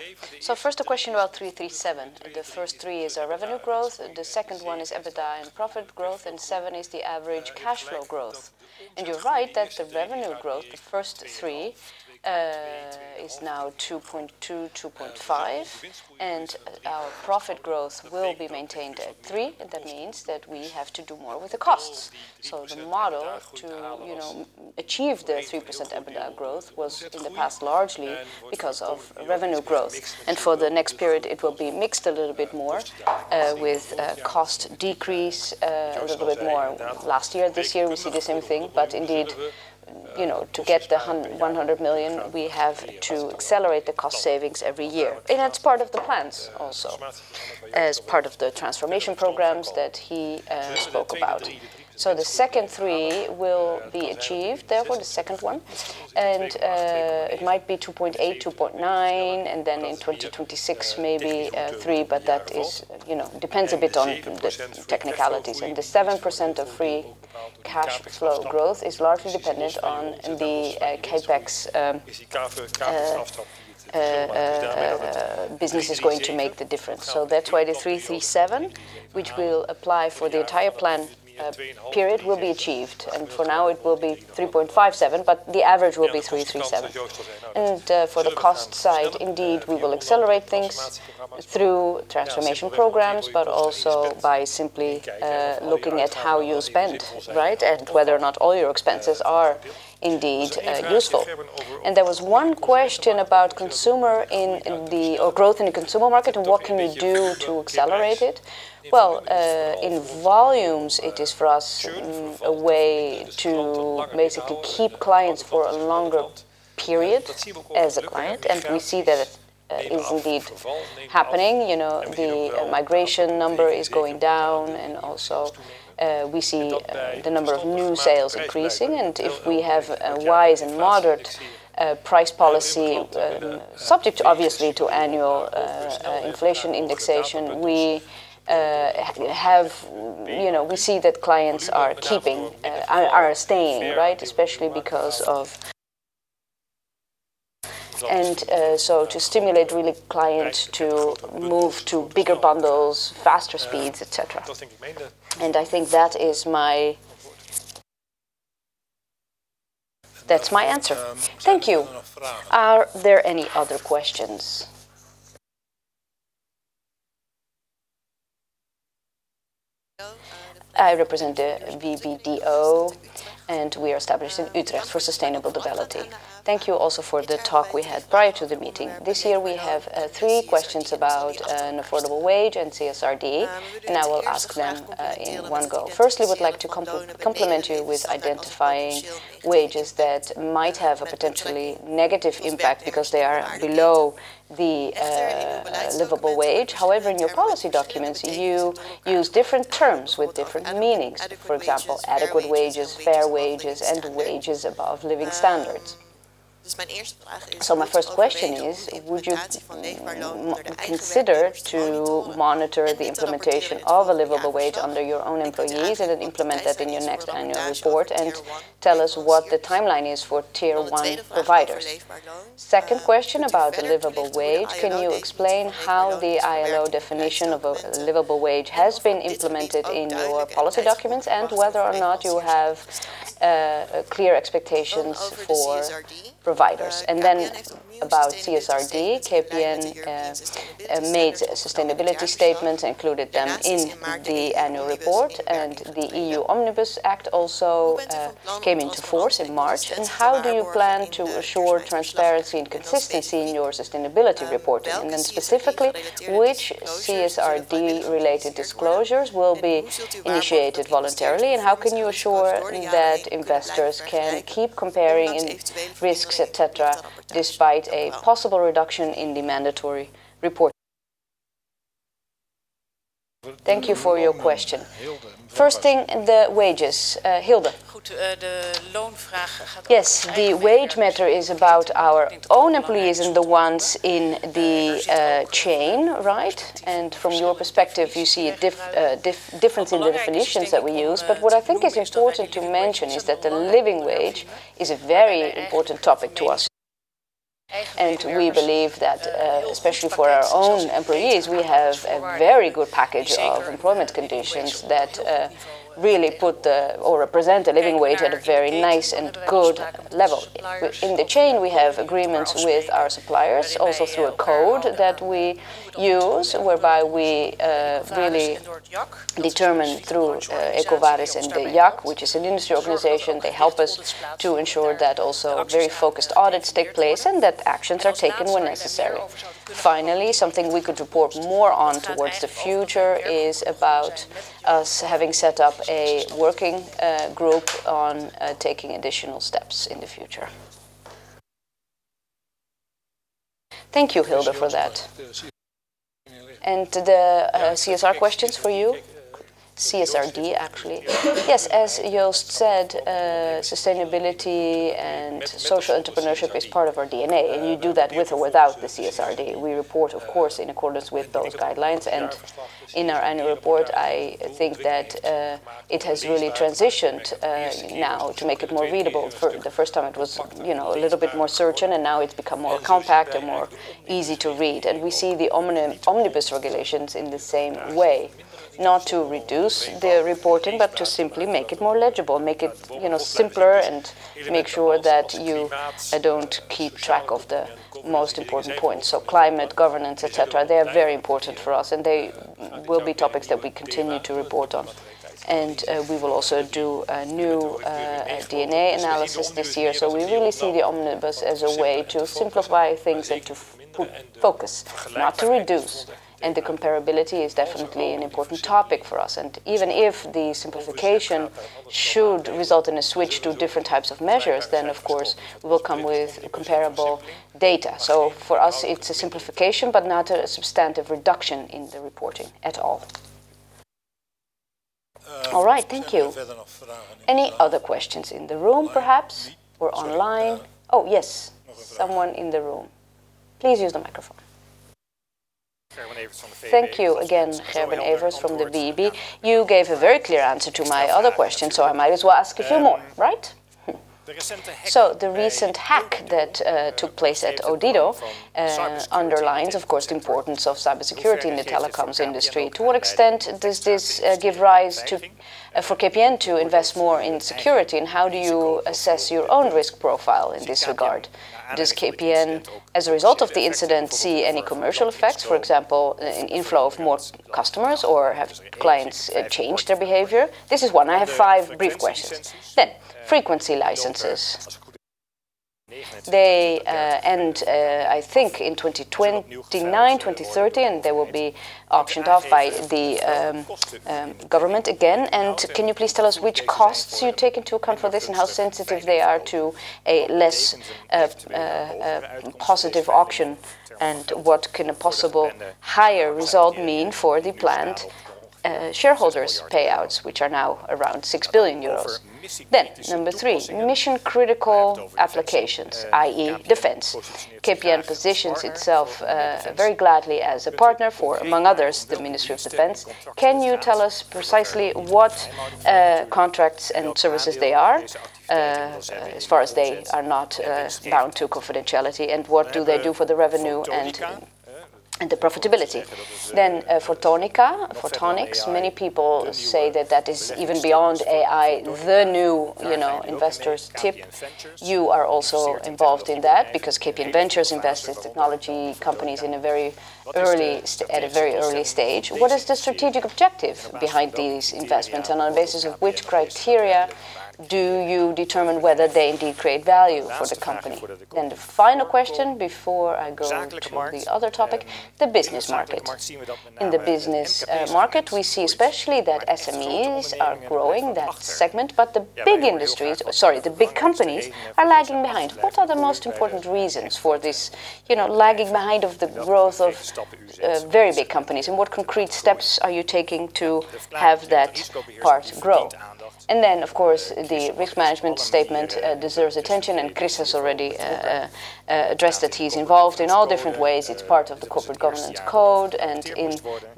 First a question about 3-3-7. The first 3% is our revenue growth, the second one is EBITDA and profit growth, and 7% is the average cash flow growth. You're right that the revenue growth, the first 3%, is now 2.2%-2.5%, and our profit growth will be maintained at 3%. That means that we have to do more with the costs. The model to achieve the 3% EBITDA growth was, in the past, largely because of revenue growth. For the next period, it will be mixed a little bit more with cost decrease a little bit more. Last year, this year, we see the same thing. Indeed, to get the 100 million, we have to accelerate the cost savings every year. That's part of the plans also, as part of the transformation programs that he spoke about. The second three will be achieved. It might be 2.8%, 2.9%, and then in 2026, maybe 3%. That depends a bit on the technicalities. The 7% of free cash flow growth is largely dependent on the CapEx. Business is going to make the difference. That's why the 3-3-7, which we will apply for the entire plan period, will be achieved. For now it will be 3-5-7, but the average will be 3-3-7. For the cost side, indeed, we will accelerate things through transformation programs, but also by simply looking at how you spend, right? Whether or not all your expenses are indeed useful. There was one question about growth in the Consumer Market, and what can we do to accelerate it? Well, in volumes, it is for us a way to basically keep clients for a longer period as a client. We see that it is indeed happening. The migration number is going down, and also we see the number of new sales increasing. If we have a wise and moderate price policy, subject obviously to annual inflation indexation, we see that clients are staying. To stimulate really client to move to bigger bundles, faster speeds, et cetera. I think that's my answer. Thank you. Are there any other questions? I represent the VBDO, and we are established in Utrecht for sustainable development. Thank you also for the talk we had prior to the meeting. This year, we have three questions about an affordable wage and CSRD, and I will ask them in one go. Firstly, I would like to compliment you with identifying wages that might have a potentially negative impact because they are below the livable wage. However, in your policy documents, you use different terms with different meanings. For example, adequate wages, fair wages, and wages above living standards. My first question is, would you consider to monitor the implementation of a livable wage under your own employees and then implement that in your next annual report? Tell us what the timeline is for tier one providers. Second question about the livable wage. Can you explain how the ILO definition of a livable wage has been implemented in your policy documents, and whether or not you have clear expectations for providers? About CSRD, KPN made sustainability statements, included them in the annual report, and the EU Omnibus Act also came into force in March. How do you plan to assure transparency and consistency in your sustainability reporting? Specifically, which CSRD-related disclosures will be initiated voluntarily, and how can you assure that investors can keep comparing risks, et cetera, despite a possible reduction in the mandatory reporting? Thank you for your question. First thing, the wages. Hilde? Yes. The wage matter is about our own employees and the ones in the chain, right? From your perspective, you see a difference in the definitions that we use. What I think is important to mention is that the living wage is a very important topic to us. We believe that, especially for our own employees, we have a very good package of employment conditions that really represent a living wage at a very nice and good level. In the chain, we have agreements with our suppliers, also through a code that we use, whereby we really determine through EcoVadis and the JAC, which is an industry organization. They help us to ensure that also very focused audits take place and that actions are taken when necessary. Finally, something we could report more on towards the future is about us having set up a working group on taking additional steps in the future. Thank you, Gerard, for that. The CSR questions for you. CSRD, actually. Yes, as Joost said, sustainability and social entrepreneurship is part of our DNA. You do that with or without the CSRD. We report, of course, in accordance with those guidelines. In our annual report, I think that it has really transitioned now to make it more readable. For the first time, it was a little bit more stringent, and now it's become more compact and more easy to read. We see the Omnibus regulations in the same way. Not to reduce the reporting, but to simply make it more legible, make it simpler, and make sure that you do keep track of the most important points. Climate, governance, et cetera, they are very important for us, and they will be topics that we continue to report on. We will also do a new DMA analysis this year. We really see the Omnibus as a way to simplify things and to put focus, not to reduce. The comparability is definitely an important topic for us. Even if the simplification should result in a switch to different types of measures, then of course we'll come with comparable data. For us, it's a simplification, but not a substantive reduction in the reporting at all. All right. Thank you. Any other questions in the room perhaps or online? Oh, yes. Someone in the room. Please use the microphone. Gerben Everts from the VEB. Thank you again, Gerben Everts from the VEB. You gave a very clear answer to my other question, so I might as well ask a few more, right? The recent hack that took place at Odido underlines, of course, the importance of cybersecurity in the telecoms industry. To what extent does this give rise for KPN to invest more in security, and how do you assess your own risk profile in this regard? Does KPN, as a result of the incident, see any commercial effects, for example, an inflow of more customers, or have clients changed their behavior? This is one. I have five brief questions. Frequency licenses. They end, I think, in 2029, 2030, and they will be auctioned off by the government again. Can you please tell us which costs you take into account for this and how sensitive they are to a less positive auction? What can a possible higher result mean for the planned shareholders' payouts, which are now around 6 billion euros? Number three, mission-critical applications, i.e. defense. KPN positions itself very gladly as a partner for, among others, the Ministry of Defence. Can you tell us precisely what contracts and services they are, as far as they are not bound to confidentiality, and what do they do for the revenue and the profitability? Photonica, photonics. Many people say that that is even beyond AI, the new investor's tip. You are also involved in that because KPN Ventures invested technology companies at a very early stage. What is the strategic objective behind these investments, and on the basis of which criteria do you determine whether they indeed create value for the company? The final question before I go to the other topic, the Business Market. In the Business Market, we see especially that SMEs are growing, that segment, but the big companies are lagging behind. What are the most important reasons for this lagging behind of the growth of very big companies, and what concrete steps are you taking to have that part grow? Of course, the Risk Management Statement deserves attention, and Chris has already addressed that he's involved in all different ways. It's part of the Corporate Governance Code.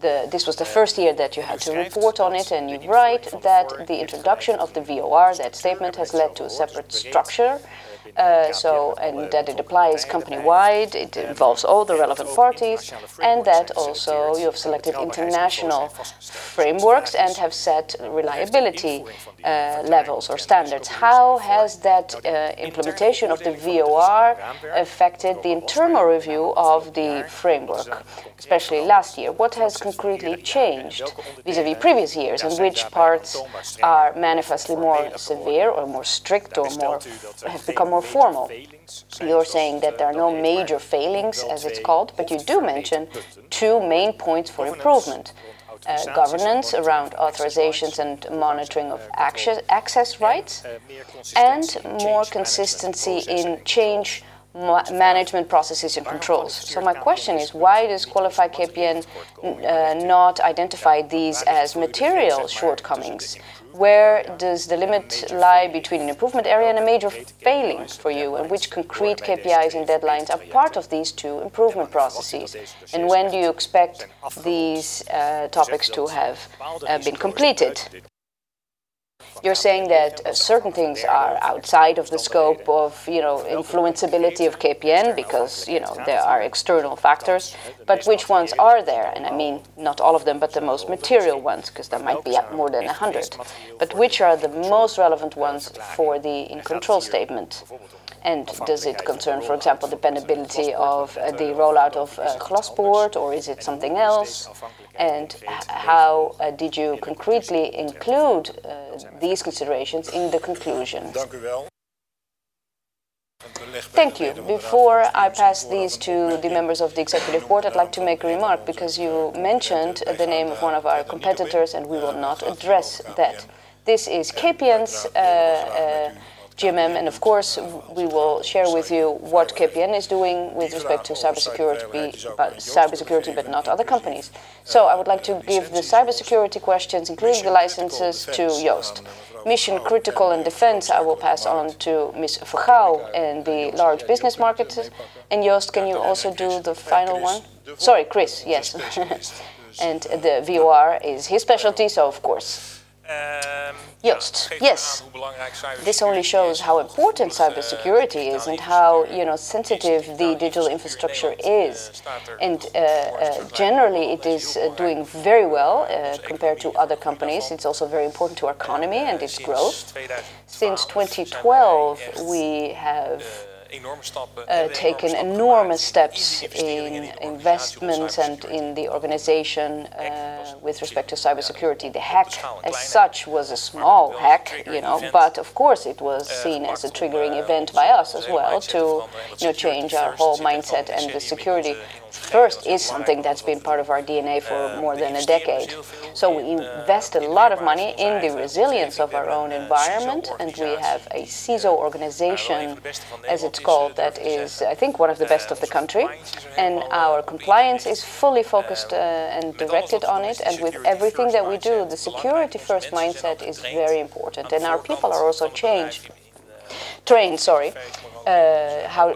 This was the first-year that you had to report on it, and you write that the introduction of the VOR, that statement, has led to a separate structure, and that it applies company-wide. It involves all the relevant parties, and that also you have selected international frameworks and have set reliability levels or standards. How has that implementation of the VOR affected the internal review of the framework, especially last year? What has concretely changed vis-à-vis previous years, and which parts are manifestly more severe or more strict, or have become more formal? You're saying that there are no major failings as it's called, but you do mention two main points for improvement, governance around authorizations and monitoring of access rights and more consistency in change management processes and controls. My question is, why does Koninklijke KPN not identify these as material shortcomings? Where does the limit lie between an improvement area and a major failing for you, and which concrete KPIs and deadlines are part of these two improvement processes? When do you expect these topics to have been completed? You're saying that certain things are outside of the scope of influenceability of KPN because there are external factors. Which ones are there? I mean, not all of them, but the most material ones, because there might be more than 100. Which are the most relevant ones for the in-control statement? Does it concern, for example, dependability of the rollout of Glaspoort, or is it something else? How did you concretely include these considerations in the conclusions? Thank you. Before I pass these to the members of the Executive Board, I'd like to make a remark because you mentioned the name of one of our competitors, and we will not address that. This is KPN's AGM, and of course, we will share with you what KPN is doing with respect to cybersecurity, but not other companies. I would like to give the cybersecurity questions, including the licenses, to Joost. Mission critical and defense, I will pass on to Ms. Vergouw and the Large Business Market. Joost, can you also do the final one? Sorry, Chris. Yes. The VOR is his specialty, so of course. Joost. Yes. This only shows how important cybersecurity is and how sensitive the digital infrastructure is. Generally, it is doing very well compared to other companies. It's also very important to our economy and its growth. Since 2012, we have taken enormous steps in investments and in the organization with respect to cybersecurity. The hack as such was a small hack, but of course, it was seen as a triggering event by us as well to change our whole mindset and the security-first is something that's been part of our DNA for more than a decade. We invest a lot of money in the resilience of our own environment, and we have a CISO organization, as it's called, that is, I think, one of the best of the country. Our compliance is fully focused and directed on it, and with everything that we do, the security-first mindset is very important, and our people are also trained.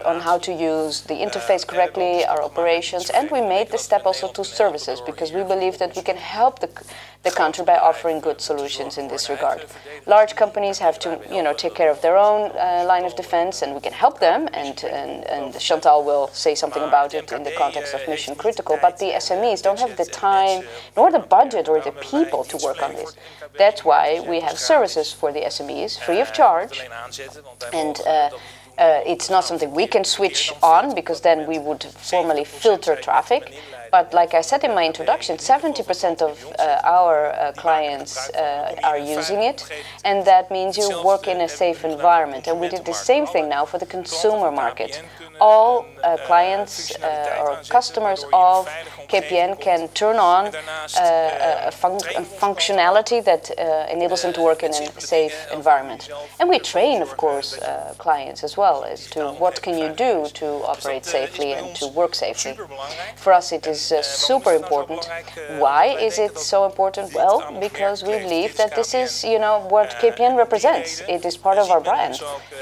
On how to use the interface correctly, our operations, and we made the step also to services, because we believe that we can help the country by offering good solutions in this regard. Large companies have to take care of their own line of defense, and we can help them, and Chantal will say something about it in the context of mission critical. The SMEs don't have the time, nor the budget, or the people to work on this. That's why we have services for the SMEs free of charge. It's not something we can switch on, because then we would formally filter traffic. Like I said in my introduction, 70% of our clients are using it, and that means you work in a safe environment. We did the same thing now for the Consumer Market. All clients or customers of KPN can turn on a functionality that enables them to work in a safe environment. We train, of course, clients as well as to what can you do to operate safely and to work safely. For us, it is super important. Why is it so important? Well, because we believe that this is what KPN represents. It is part of our brand.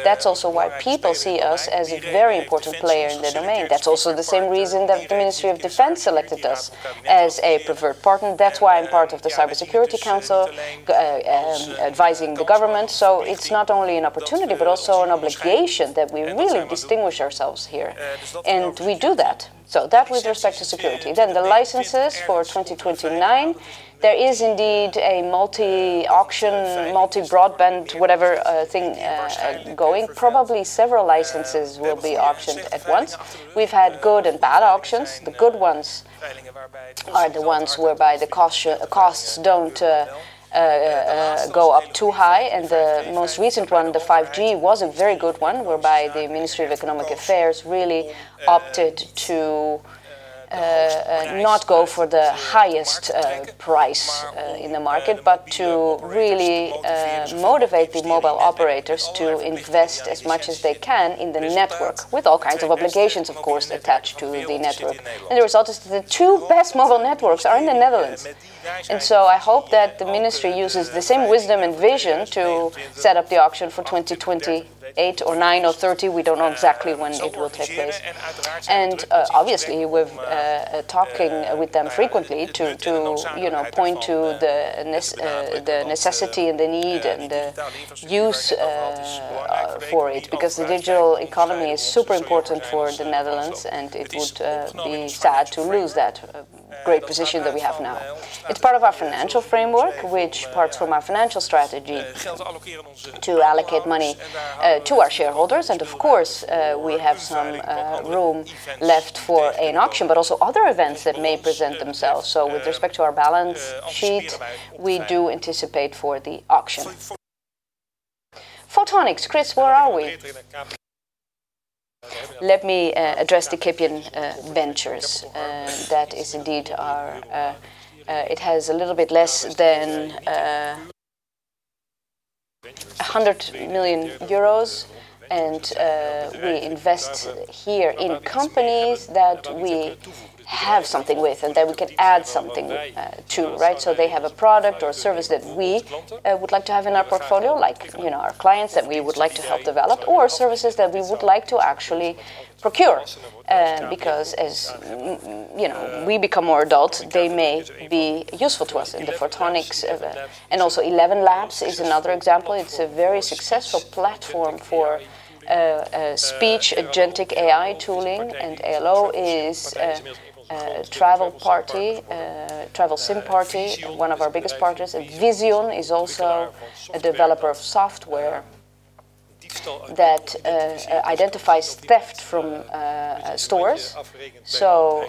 That's also why people see us as a very important player in the domain. That's also the same reason that the Ministry of Defense selected us as a preferred partner. That's why I'm part of the Cyber Security Council, advising the government. It's not only an opportunity, but also an obligation that we really distinguish ourselves here, and we do that. That with respect to security. The licenses for 2029, there is indeed a multi-auction, multi-broadband, whatever thing going. Probably several licenses will be auctioned at once. We've had good and bad auctions. The good ones are the ones whereby the costs don't go up too high, and the most recent one, the 5G, was a very good one, whereby the Ministry of Economic Affairs really opted to not go for the highest price in the market to really motivate the mobile operators to invest as much as they can in the network with all kinds of obligations, of course, attached to the network. The result is the two best mobile networks are in the Netherlands. I hope that the ministry uses the same wisdom and vision to set up the auction for 2028 or 2029 or 2030. We don't know exactly when it will take place. Obviously, we're talking with them frequently to point to the necessity and the need and the use for it, because the digital economy is super important for the Netherlands, and it would be sad to lose that great position that we have now. It's part of our financial framework, which parts from our financial strategy to allocate money to our shareholders. Of course, we have some room left for an auction, but also other events that may present themselves. With respect to our balance sheet, we do anticipate for the auction. Photonics. Chris, where are we? Let me address the KPN Ventures. It has a little bit less than 100 million euros, and we invest here in companies that we have something with and that we can add something to. They have a product or service that we would like to have in our portfolio, like our clients that we would like to help develop or services that we would like to actually procure. Because as we become more adult, they may be useful to us in the photonics. ElevenLabs is another example. It's a very successful platform for speech agentic AI tooling, and aloSIM is a travel eSIM party, one of our biggest partners, and Veesion is also a developer of software that identifies theft from stores.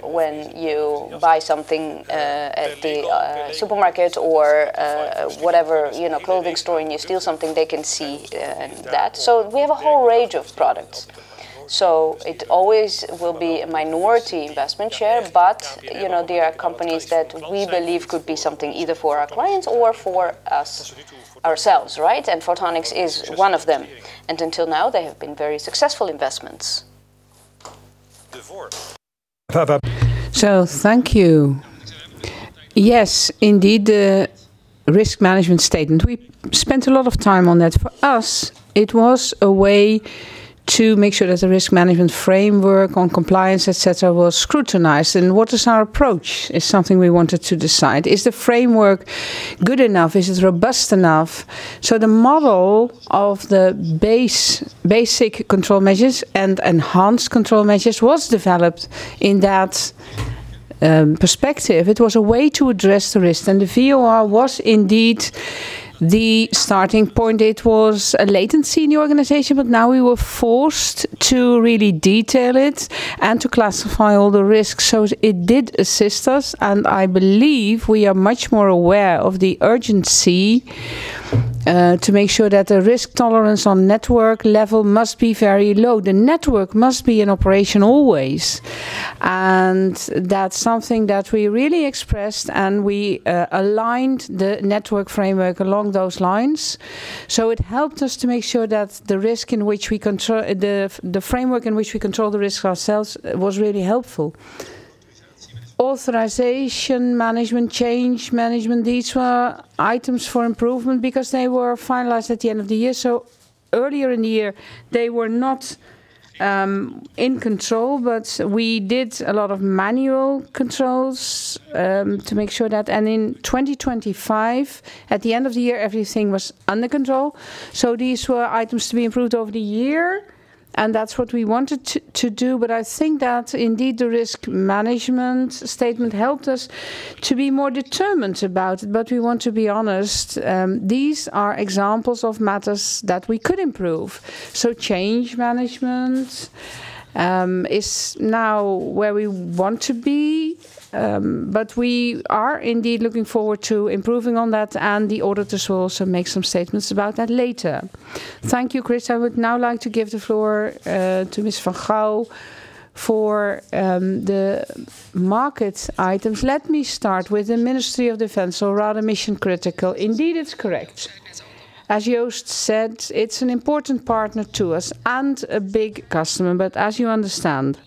When you buy something at the supermarket or whatever clothing store and you steal something, they can see that. We have a whole range of products. It always will be a minority investment share. They are companies that we believe could be something either for our clients or for us, ourselves. Photonics is one of them, and until now, they have been very successful investments. Thank you. Yes, indeed, the risk management statement. We spent a lot of time on that. For us, it was a way to make sure that the risk management framework on compliance, et cetera, was scrutinized. What is our approach is something we wanted to decide. Is the framework good enough? Is it robust enough? The model of the basic control measures and enhanced control measures was developed in that perspective. It was a way to address the risk, and the VOR was indeed the starting point. It was a latency in the organization, but now we were forced to really detail it and to classify all the risks. It did assist us, and I believe we are much more aware of the urgency to make sure that the risk tolerance on network level must be very low. The network must be in operation always. That's something that we really expressed, and we aligned the network framework along those lines. It helped us to make sure that the framework in which we control the risk ourselves was really helpful. Authorization management, change management, these were items for improvement because they were finalized at the end of the year. Earlier in the year, they were not in control, but we did a lot of manual controls to make sure that in 2025, at the end of the year, everything was under control. These were items to be improved over the year, and that's what we wanted to do. I think that indeed the risk management statement helped us to be more determined about it. We want to be honest. These are examples of matters that we could improve. Change management is now where we want to be, but we are indeed looking forward to improving on that, and the auditors will also make some statements about that later. Thank you, Chris. I would now like to give the floor to Ms. Vergouw for the market items. Let me start with the Ministry of Defence or rather mission-critical. Indeed, it's correct. As Joost said, it's an important partner to us and a big customer. As you understand,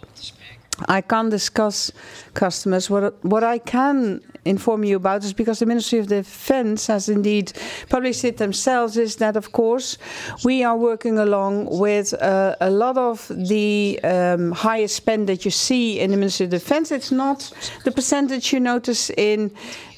I can't discuss customers. What I can inform you about is because the Ministry of Defence has indeed published it themselves, is that of course, we are working along with a lot of the highest spend that you see in the Ministry of Defence. It's not the percentage you notice in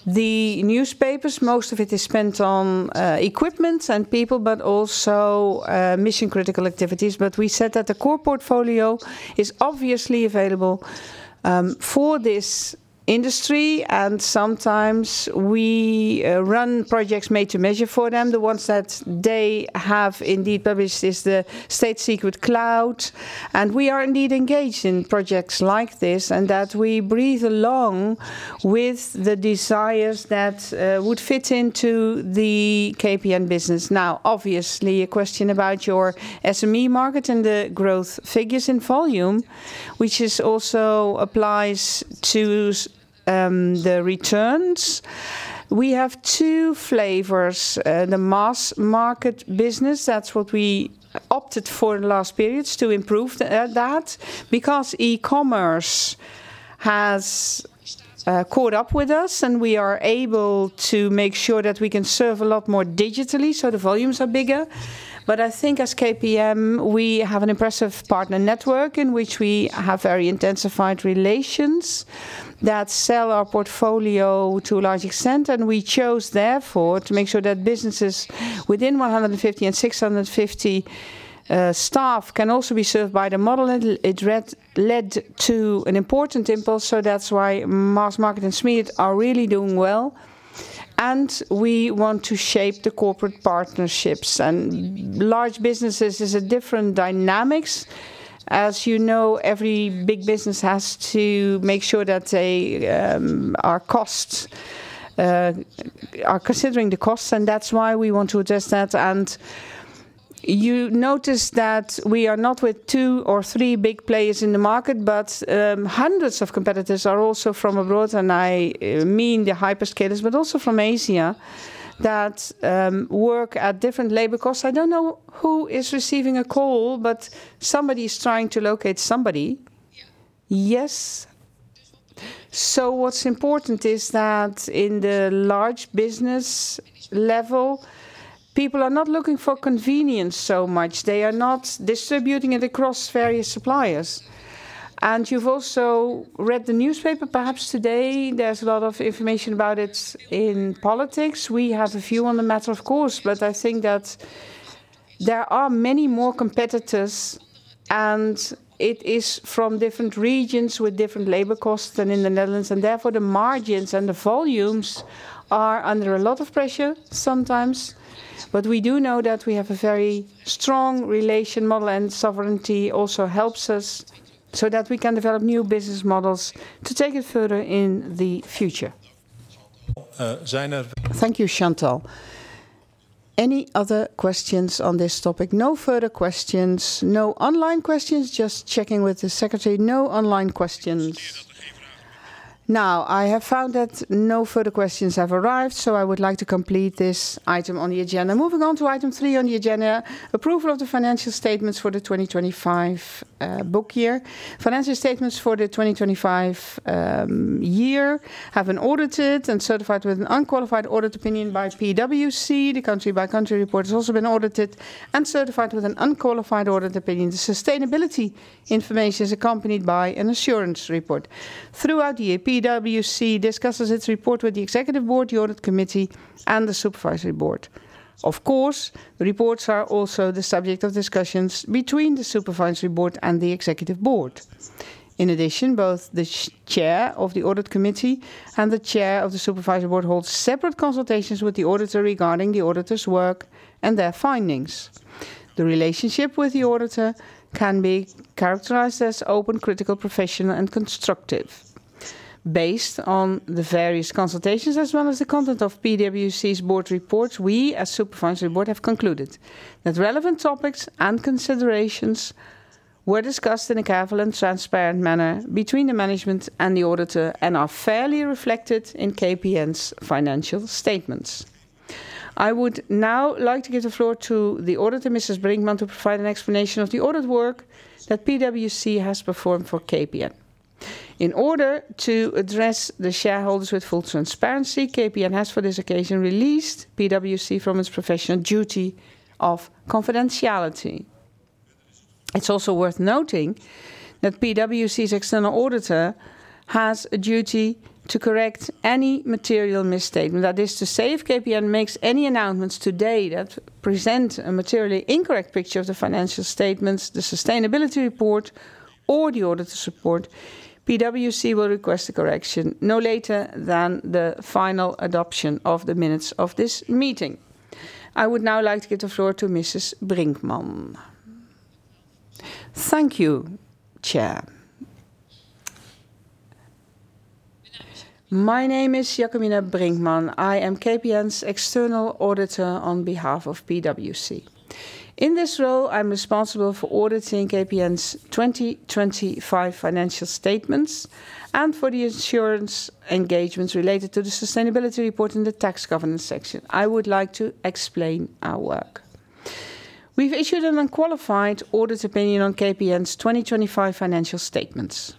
the newspapers. Most of it is spent on equipment and people, but also mission-critical activities. We said that the core portfolio is obviously available for this industry, and sometimes we run projects made to measure for them. The ones that they have indeed published is the Staatsgeheim Cloud, and we are indeed engaged in projects like this and that we breathe along with the desires that would fit into the KPN business. Now, obviously, a question about your SME market and the growth figures in volume, which also applies to the returns. We have two flavors. The mass market business, that's what we opted for in the last periods to improve that, because e-commerce has caught up with us and we are able to make sure that we can serve a lot more digitally, so the volumes are bigger. I think as KPN, we have an impressive partner network in which we have very intensified relations that sell our portfolio to a large extent, and we chose therefore to make sure that businesses within 150 and 650 staff can also be served by the model, and it led to an important impulse. That's why mass market and SME are really doing well, and we want to shape the corporate partnerships. Large businesses is a different dynamics. As you know, every big business has to make sure that our costs are considering the costs, and that's why we want to address that. You notice that we are not with two or three big players in the market. Hundreds of competitors are also from abroad, and I mean the hyperscalers, but also from Asia that work at different labor costs. I don't know who is receiving a call, but somebody's trying to locate somebody. Yeah. Yes. What's important is that in the large business level, people are not looking for convenience so much. They are not distributing it across various suppliers. You've also read the newspaper, perhaps today there's a lot of information about it in politics. We have a view on the matter, of course, but I think that there are many more competitors, and it is from different regions with different labor costs than in the Netherlands, and therefore the margins and the volumes are under a lot of pressure sometimes. We do know that we have a very strong relation model, and sovereignty also helps us so that we can develop new business models to take it further in the future. Thank you, Chantal. Any other questions on this topic? No further questions. No online questions. Just checking with the Secretary. No online questions. Now, I have found that no further questions have arrived, so I would like to complete this item on the agenda. Moving on to item three on the agenda, approval of the financial statements for the 2025 book year. Financial statements for the 2025 year have been audited and certified with an unqualified audit opinion by PwC. The country-by-country report has also been audited and certified with an unqualified audit opinion. The sustainability information is accompanied by an assurance report. Throughout the year, PwC discusses its report with the Executive Board, the Audit Committee, and the Supervisory Board. Of course, reports are also the subject of discussions between the Supervisory Board and the Executive Board. In addition, both the Chair of the Audit Committee and the Chair of the Supervisory Board hold separate consultations with the auditor regarding the auditor's work and their findings. The relationship with the auditor can be characterized as open, critical, professional and constructive. Based on the various consultations, as well as the content of PwC's Board reports, we as Supervisory Board have concluded that relevant topics and considerations were discussed in a careful and transparent manner between the Management and the auditor and are fairly reflected in KPN's financial statements. I would now like to give the floor to the auditor, Mrs. Brinkman, to provide an explanation of the audit work that PwC has performed for KPN. In order to address the shareholders with full transparency, KPN has, for this occasion, released PwC from its professional duty of confidentiality. It's also worth noting that PwC's External Auditor has a duty to correct any material misstatement. That is to say, if KPN makes any announcements today that present a materially incorrect picture of the financial statements, the sustainability report, or the auditor's report, PwC will request a correction no later than the final adoption of the minutes of this meeting. I would now like to give the floor to Mrs. Brinkman. Thank you, Chair. My name is Jacobina Brinkman. I am KPN's External Auditor on behalf of PwC. In this role, I'm responsible for auditing KPN's 2025 financial statements and for the assurance engagements related to the sustainability report in the tax governance section. I would like to explain our work. We've issued an unqualified audit opinion on KPN's 2025 financial statements.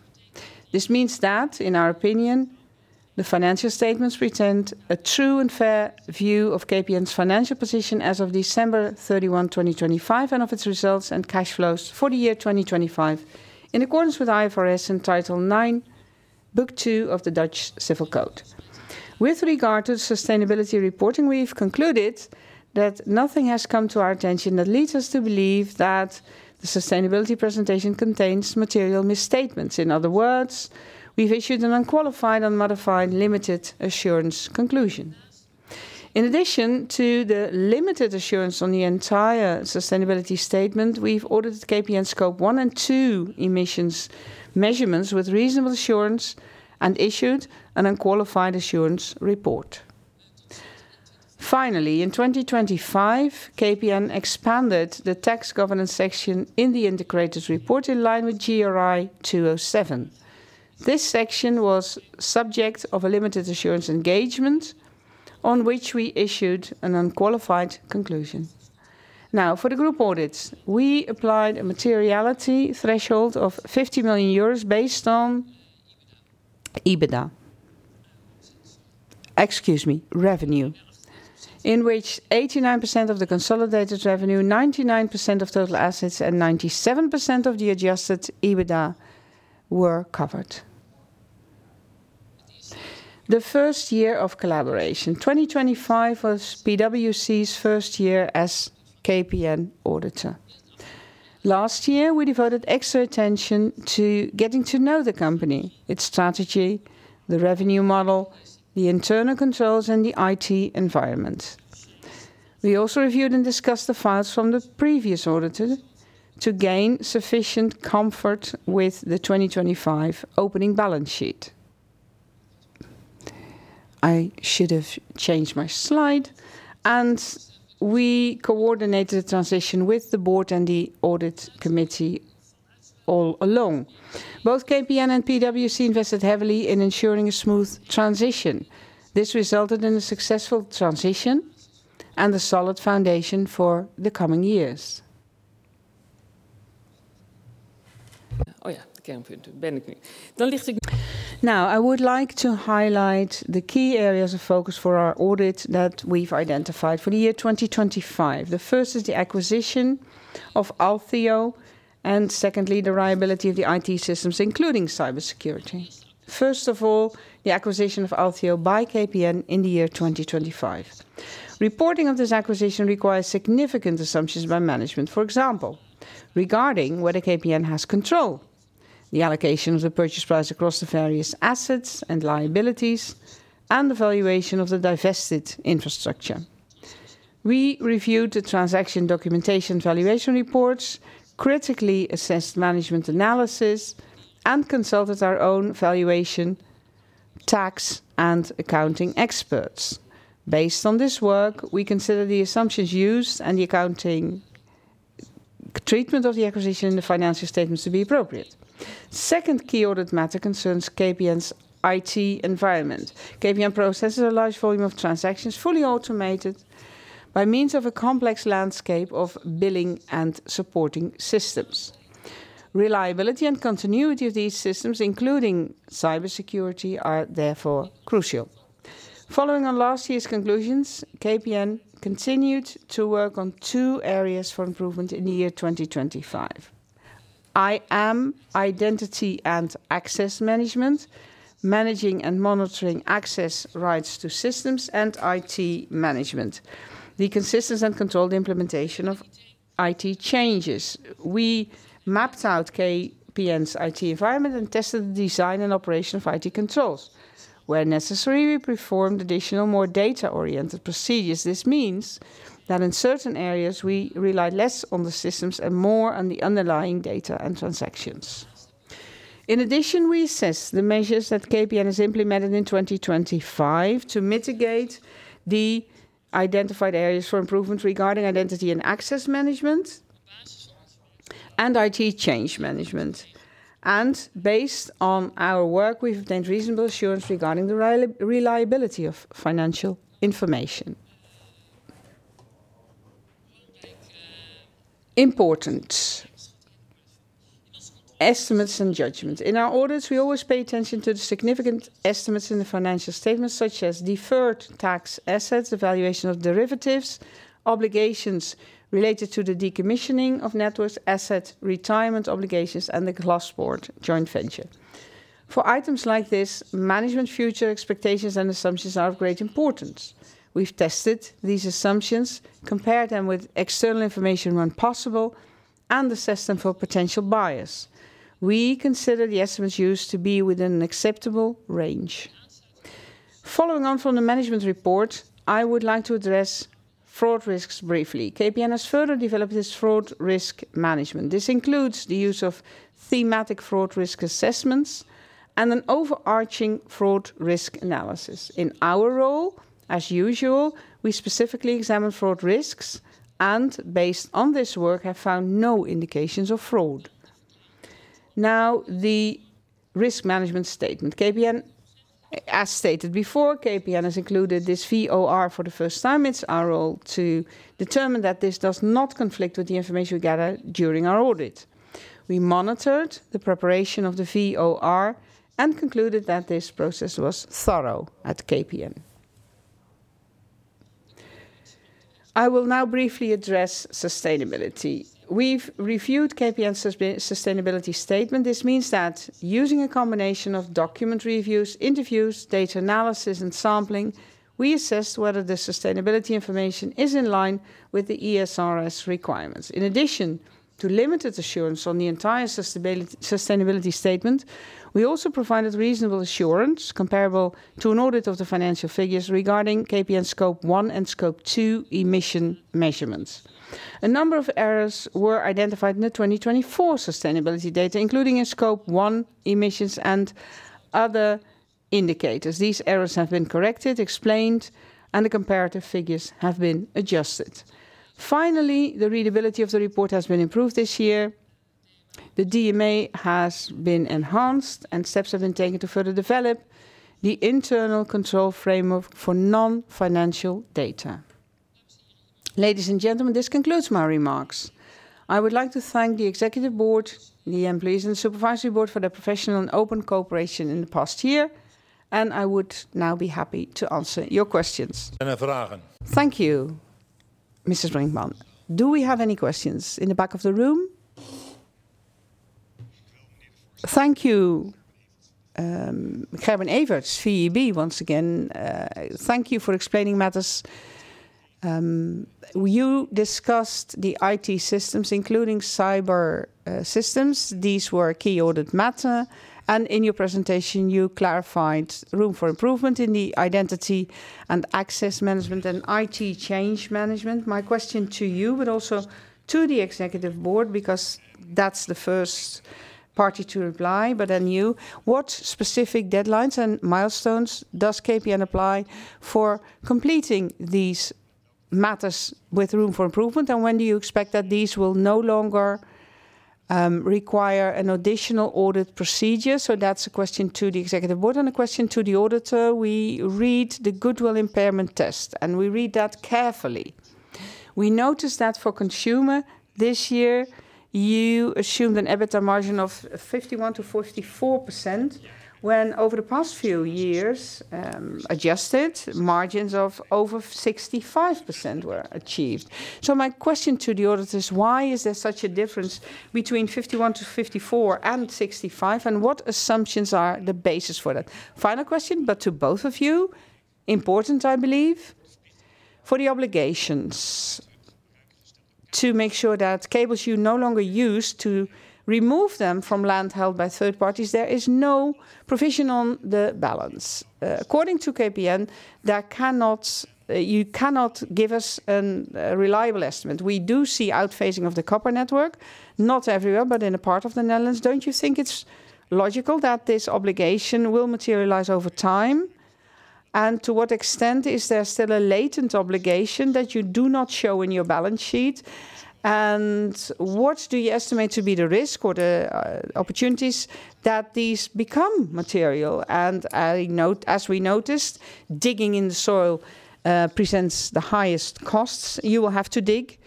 This means that, in our opinion, the financial statements present a true and fair view of KPN's financial position as of December 31, 2025, and of its results and cash flows for the year 2025, in accordance with IFRS and Title nine, Book two of the Dutch Civil Code. With regard to sustainability reporting, we've concluded that nothing has come to our attention that leads us to believe that the sustainability presentation contains material misstatements. In other words, we've issued an unqualified, unmodified, limited assurance conclusion. In addition to the limited assurance on the entire sustainability statement, we've audited KPN scope one and two emissions measurements with reasonable assurance and issued an unqualified assurance report. Finally, in 2025, KPN expanded the tax governance section in the integrated report in line with GRI 207. This section was subject of a limited assurance engagement on which we issued an unqualified conclusion. Now, for the group audits, we applied a materiality threshold of 50 million euros based on EBITDA. Excuse me, revenue, in which 89% of the consolidated revenue, 99% of total assets, and 97% of the adjusted EBITDA were covered. The first year of collaboration, 2025 was PwC's first year as KPN auditor. Last year, we devoted extra attention to getting to know the company, its strategy, the revenue model, the internal controls, and the IT environment. We also reviewed and discussed the files from the previous auditor to gain sufficient comfort with the 2025 opening balance sheet. I should have changed my slide. We coordinated the transition with the Board and the Audit Committee all along. Both KPN and PwC invested heavily in ensuring a smooth transition. This resulted in a successful transition and a solid foundation for the coming years. Now, I would like to highlight the key areas of focus for our audit that we've identified for the year 2025. The first is the acquisition of Althio, and secondly, the reliability of the IT systems, including cybersecurity. First of all, the acquisition of Althio by KPN in the year 2025, reporting of this acquisition requires significant assumptions by management, for example, regarding whether KPN has control, the allocation of the purchase price across the various assets and liabilities, and the valuation of the divested infrastructure. We reviewed the transaction documentation, valuation reports, critically assessed management analysis, and consulted our own valuation, tax, and accounting experts. Based on this work, we consider the assumptions used and the accounting treatment of the acquisition in the financial statements to be appropriate. Second key audit matter concerns KPN's IT environment. KPN processes a large volume of transactions, fully automated by means of a complex landscape of billing and supporting systems. Reliability and continuity of these systems, including cybersecurity, are therefore crucial. Following on last year's conclusions, KPN continued to work on two areas for improvement in the year 2025, IAM, identity and access management, managing and monitoring access rights to systems, and IT management, the consistent and controlled implementation of IT changes. We mapped out KPN's IT environment and tested the design and operation of IT controls. Where necessary, we performed additional, more data-oriented procedures. This means that in certain areas, we rely less on the systems and more on the underlying data and transactions. In addition, we assess the measures that KPN has implemented in 2025 to mitigate the identified areas for improvement regarding identity and access management and IT change management. Based on our work, we've obtained reasonable assurance regarding the reliability of financial information. Important estimates and judgments. In our audits, we always pay attention to the significant estimates in the financial statements, such as deferred tax assets, evaluation of derivatives, obligations related to the decommissioning of networks, asset retirement obligations, and the Glaspoort joint venture. For items like this, Management's future expectations and assumptions are of great importance. We've tested these assumptions, compared them with external information when possible, and assessed them for potential bias. We consider the estimates used to be within an acceptable range. Following on from the Management Report, I would like to address fraud risks briefly. KPN has further developed its fraud risk management. This includes the use of thematic fraud risk assessments and an overarching fraud risk analysis. In our role, as usual, we specifically examine fraud risks and, based on this work, have found no indications of fraud. Now, the risk management statement, as stated before, KPN has included this VOR for the first time. It's our role to determine that this does not conflict with the information we gather during our audit. We monitored the preparation of the VOR and concluded that this process was thorough at KPN. I will now briefly address sustainability. We've reviewed KPN's sustainability statement. This means that using a combination of document reviews, interviews, data analysis, and sampling, we assess whether the sustainability information is in line with the ESRS requirements. In addition to limited assurance on the entire sustainability statement, we also provided reasonable assurance comparable to an audit of the financial figures regarding KPN Scope one and Scope two emission measurements. A number of errors were identified in the 2024 sustainability data, including in Scope one emissions and other indicators. These errors have been corrected, explained, and the comparative figures have been adjusted. Finally, the readability of the report has been improved this year. The DMA has been enhanced, and steps have been taken to further develop the internal control framework for non-financial data. Ladies and gentlemen, this concludes my remarks. I would like to thank the Executive Board, the employees, and the Supervisory Board for their professional and open cooperation in the past year, and I would now be happy to answer your questions. Thank you, Mrs. Brinkman. Do we have any questions in the back of the room? Thank you. Gerben Everts, VEB, once again. Thank you for explaining matters. You discussed the IT systems, including cyber systems. These were a key audit matter, and in your presentation, you clarified room for improvement in the identity and access management and IT change management. My question to you, but also to the Executive Board, because that's the first party to reply, but then you. What specific deadlines and milestones does KPN apply for completing these matters with room for improvement, and when do you expect that these will no longer require an additional audit procedure? That's a question to the Executive Board. A question to the auditor, we read the goodwill impairment test, and we read that carefully. We noticed that for Consumer this year, you assumed an EBITDA margin of 51%-54%, when over the past few years, adjusted margins of over 65% were achieved. My question to the auditor is why is there such a difference between 51%-54% and 65%? What assumptions are the basis for that? Final question, but to both of you. Important, I believe. For the obligations to make sure that cables you no longer use, to remove them from land held by third parties, there is no provision on the balance. According to KPN, you cannot give us a reliable estimate. We do see outphasing of the copper network, not everywhere, but in a part of the Netherlands. Don't you think it's logical that this obligation will materialize over time? To what extent is there still a latent obligation that you do not show in your balance sheet? What do you estimate to be the risk or the opportunities that these become material? As we noticed, digging in the soil presents the highest costs. You will have to dig.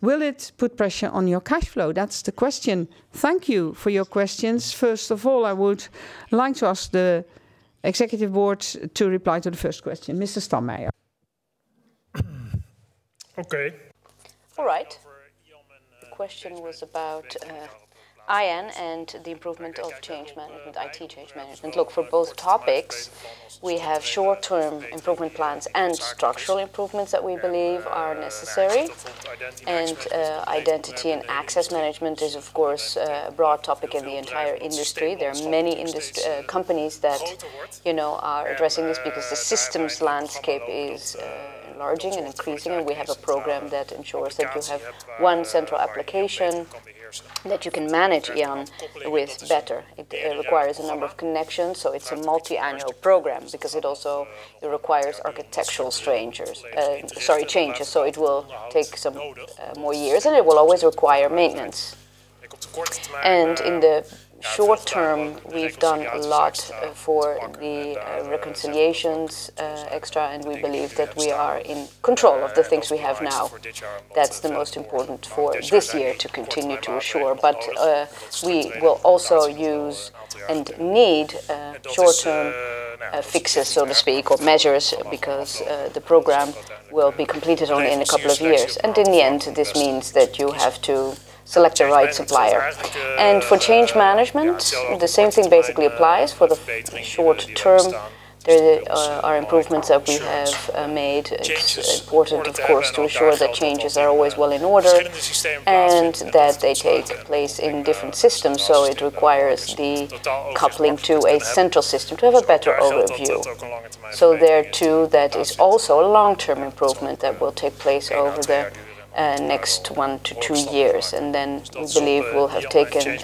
Will it put pressure on your cash flow? That's the question. Thank you for your questions. First of all, I would like to ask the Executive Board to reply to the first question. Mrs. Stammeijer. Okay. All right. The question was about IAM and the improvement of IT change management. Look, for both topics, we have short-term improvement plans and structural improvements that we believe are necessary. Identity and access management is, of course, a broad topic in the entire industry. There are many companies that are addressing this because the systems landscape is enlarging and increasing. We have a program that ensures that you have one central application that you can manage IAM better. It requires a number of connections, so it's a multi-annual program because it also requires architectural changes. It will take some more years, and it will always require maintenance. In the short-term, we've done a lot for the reconciliations extra, and we believe that we are in control of the things we have now. That's the most important for this year to continue to assure. We will also use and need short-term fixes so to speak, or measures, because the program will be completed only in a couple of years. In the end, this means that you have to select the right supplier. For change management, the same thing basically applies. For the short-term, there are improvements that we have made. It's important, of course, to ensure that changes are always well in order and that they take place in different systems. It requires the coupling to a central system to have a better overview. There, too, that is also a long-term improvement that will take place over the next one-two years, and then we believe we'll have taken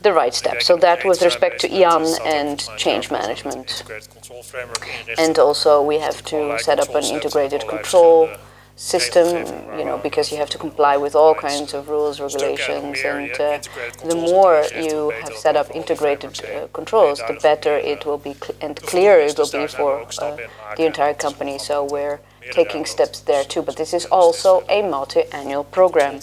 the right steps. That was with respect to IAM and change management. We have to set up an integrated control system because you have to comply with all kinds of rules, regulations, and the more you have set up integrated controls, the better it will be and clearer it will be for the entire company. We're taking steps there, too. This is also a multi-annual program.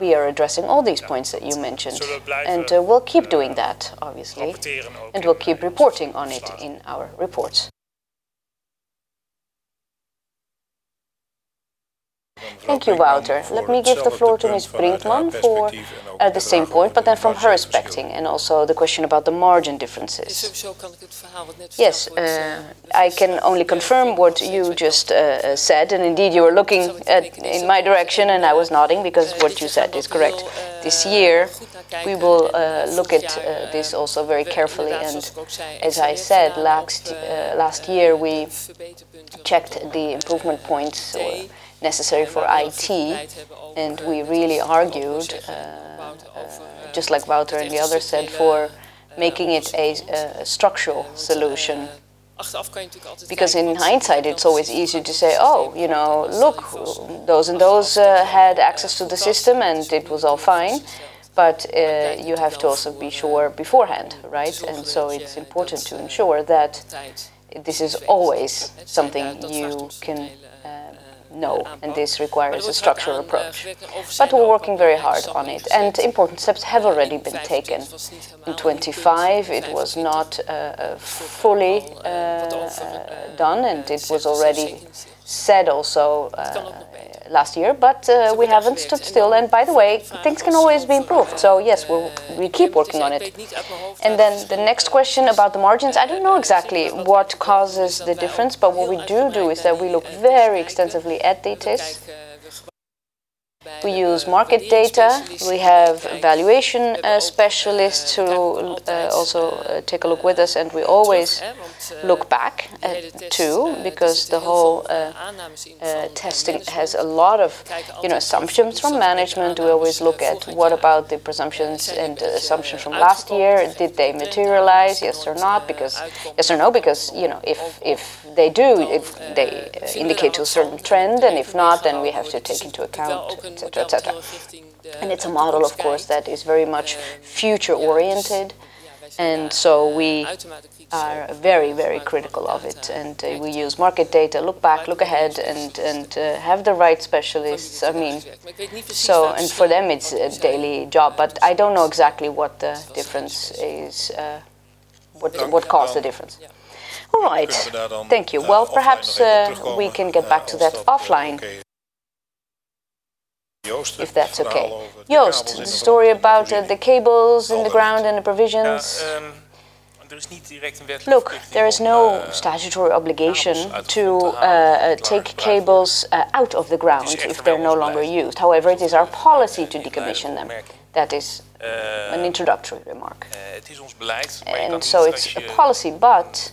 We are addressing all these points that you mentioned, and we'll keep doing that obviously, and we'll keep reporting on it in our reports. Thank you, Wouter. Let me give the floor to Ms. Brinkman for the same point, but then from her perspective and also the question about the margin differences. Yes, I can only confirm what you just said, and indeed, you were looking in my direction, and I was nodding because what you said is correct. This year we will look at this also very carefully. As I said last year, we've checked the improvement points necessary for IT, and we really argued, just like Wouter and the others said, for making it a structural solution. Because in hindsight, it's always easy to say, "Oh, look, those and those had access to the system and it was all fine." You have to also be sure beforehand, right? It's important to ensure that this is always something you can know, and this requires a structural approach. We're working very hard on it, and important steps have already been taken. In 2025, it was not fully done, and it was already said also last year. We haven't stood still and by the way, things can always be improved. Yes, we keep working on it. The next question about the margins, I don't know exactly what causes the difference, but what we do do is that we look very extensively at data. We use market data. We have valuation specialists who also take a look with us, and we always look back, too, because the whole testing has a lot of assumptions from management. We always look at what about the presumptions and assumptions from last year. Did they materialize, yes or no? Because if they indicate to a certain trend, and if not, then we have to take into account, et cetera. It's a model, of course, that is very much future-oriented, and so we are very critical of it. We use market data, look back, look ahead, and have the right specialists. For them it's a daily job. I don't know exactly what the difference is, what caused the difference. All right. Thank you. Well, perhaps we can get back to that offline if that's okay. Joost, the story about the cables in the ground and the provisions. Look, there is no statutory obligation to take cables out of the ground if they're no longer used. However, it is our policy to decommission them. That is an introductory remark. It's a policy, but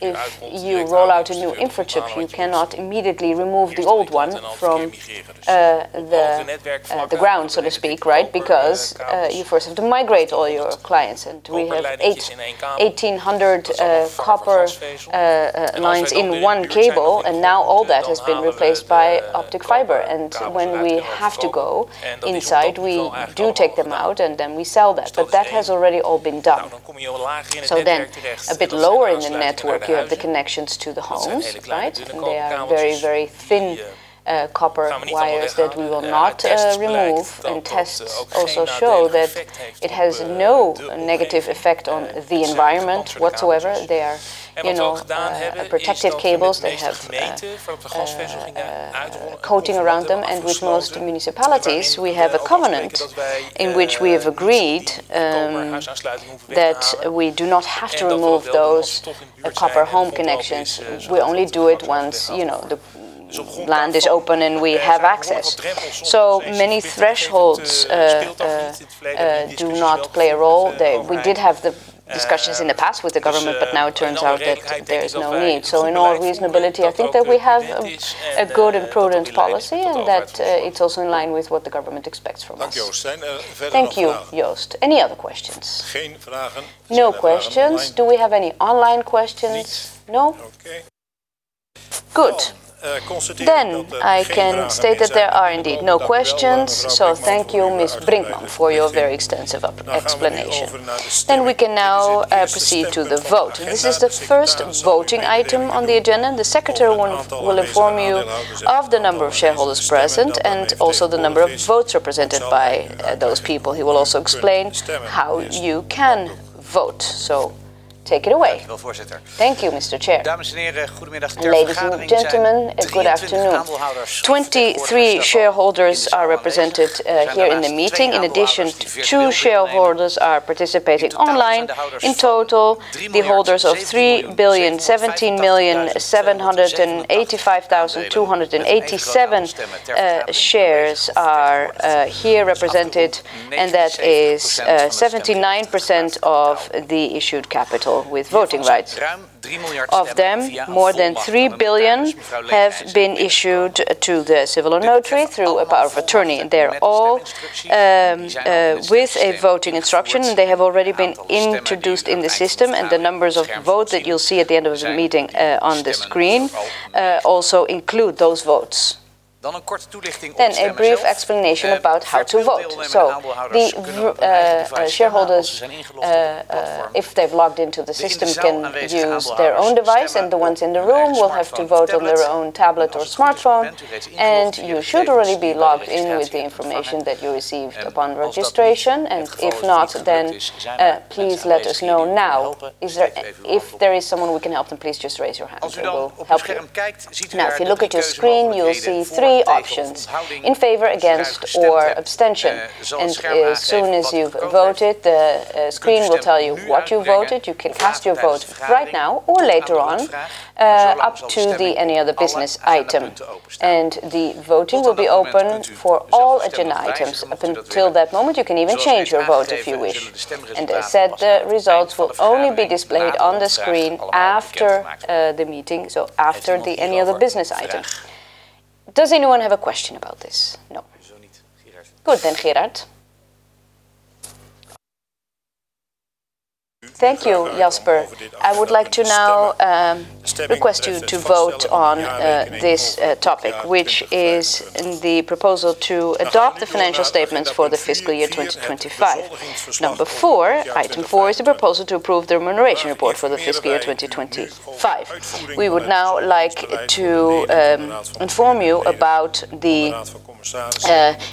if you roll out a new infrastructure, you cannot immediately remove the old one from the ground, so to speak, right? Because you first have to migrate all your clients, and we have 1,800 copper lines in one cable, and now all that has been replaced by optic fiber. When we have to go inside, we do take them out, and then we sell that. That has already all been done. A bit lower in the network, you have the connections to the homes, right? They are very, very thin copper wires that we will not remove. Tests also show that it has no negative effect on the environment whatsoever. They are protected cables that have coating around them, and with most municipalities, we have a covenant in which we have agreed that we do not have to remove those copper home connections. We only do it once the land is open, and we have access. Many thresholds do not play a role. We did have the discussions in the past with the government, but now it turns out that there is no need. In all reasonability, I think that we have a good and prudent policy and that it's also in line with what the government expects from us. Thank you, Joost. Any other questions? No questions. Do we have any online questions? No? Okay. Good. I can state that there are indeed no questions. Thank you, Ms. Brinkman, for your very extensive explanation. We can now proceed to the vote. This is the first voting item on the agenda, and the Secretary will inform you of the number of shareholders present and also the number of votes represented by those people. He will also explain how you can vote. Take it away. Thank you, Mr. Chair. Ladies and gentlemen, good afternoon. 23 shareholders are represented here in the meeting. In addition, two shareholders are participating online. In total, the holders of 3,017,785,287 shares are here represented, and that is 79% of the issued capital with voting rights. Of them, more than 3 billion have been issued to the civil notary through a power of attorney. They're all with a voting instruction. They have already been introduced in the system, and the numbers of votes that you'll see at the end of the meeting on the screen also include those votes. A brief explanation about how to vote. The shareholders, if they've logged into the system, can use their own device, and the ones in the room will have to vote on their own tablet or smartphone. You should already be logged in with the information that you received upon registration. If not, then please let us know now. If there is someone we can help, then please just raise your hand and we will help you. Now, if you look at your screen, you'll see three options, in favor, against, or abstention. As soon as you've voted, the screen will tell you what you voted. You can cast your vote right now or later on, up to any other business item. The voting will be open for all agenda items. Up until that moment, you can even change your vote if you wish. As said, the results will only be displayed on the screen after the meeting, so after any other business item. Does anyone have a question about this? No. Good then, Gerard. Thank you, Jasper. I would like to now request you to vote on this topic, which is the proposal to adopt the financial statements for the fiscal year 2025. Number four, item four, is the proposal to approve the remuneration report for the fiscal year 2025. We would now like to inform you about the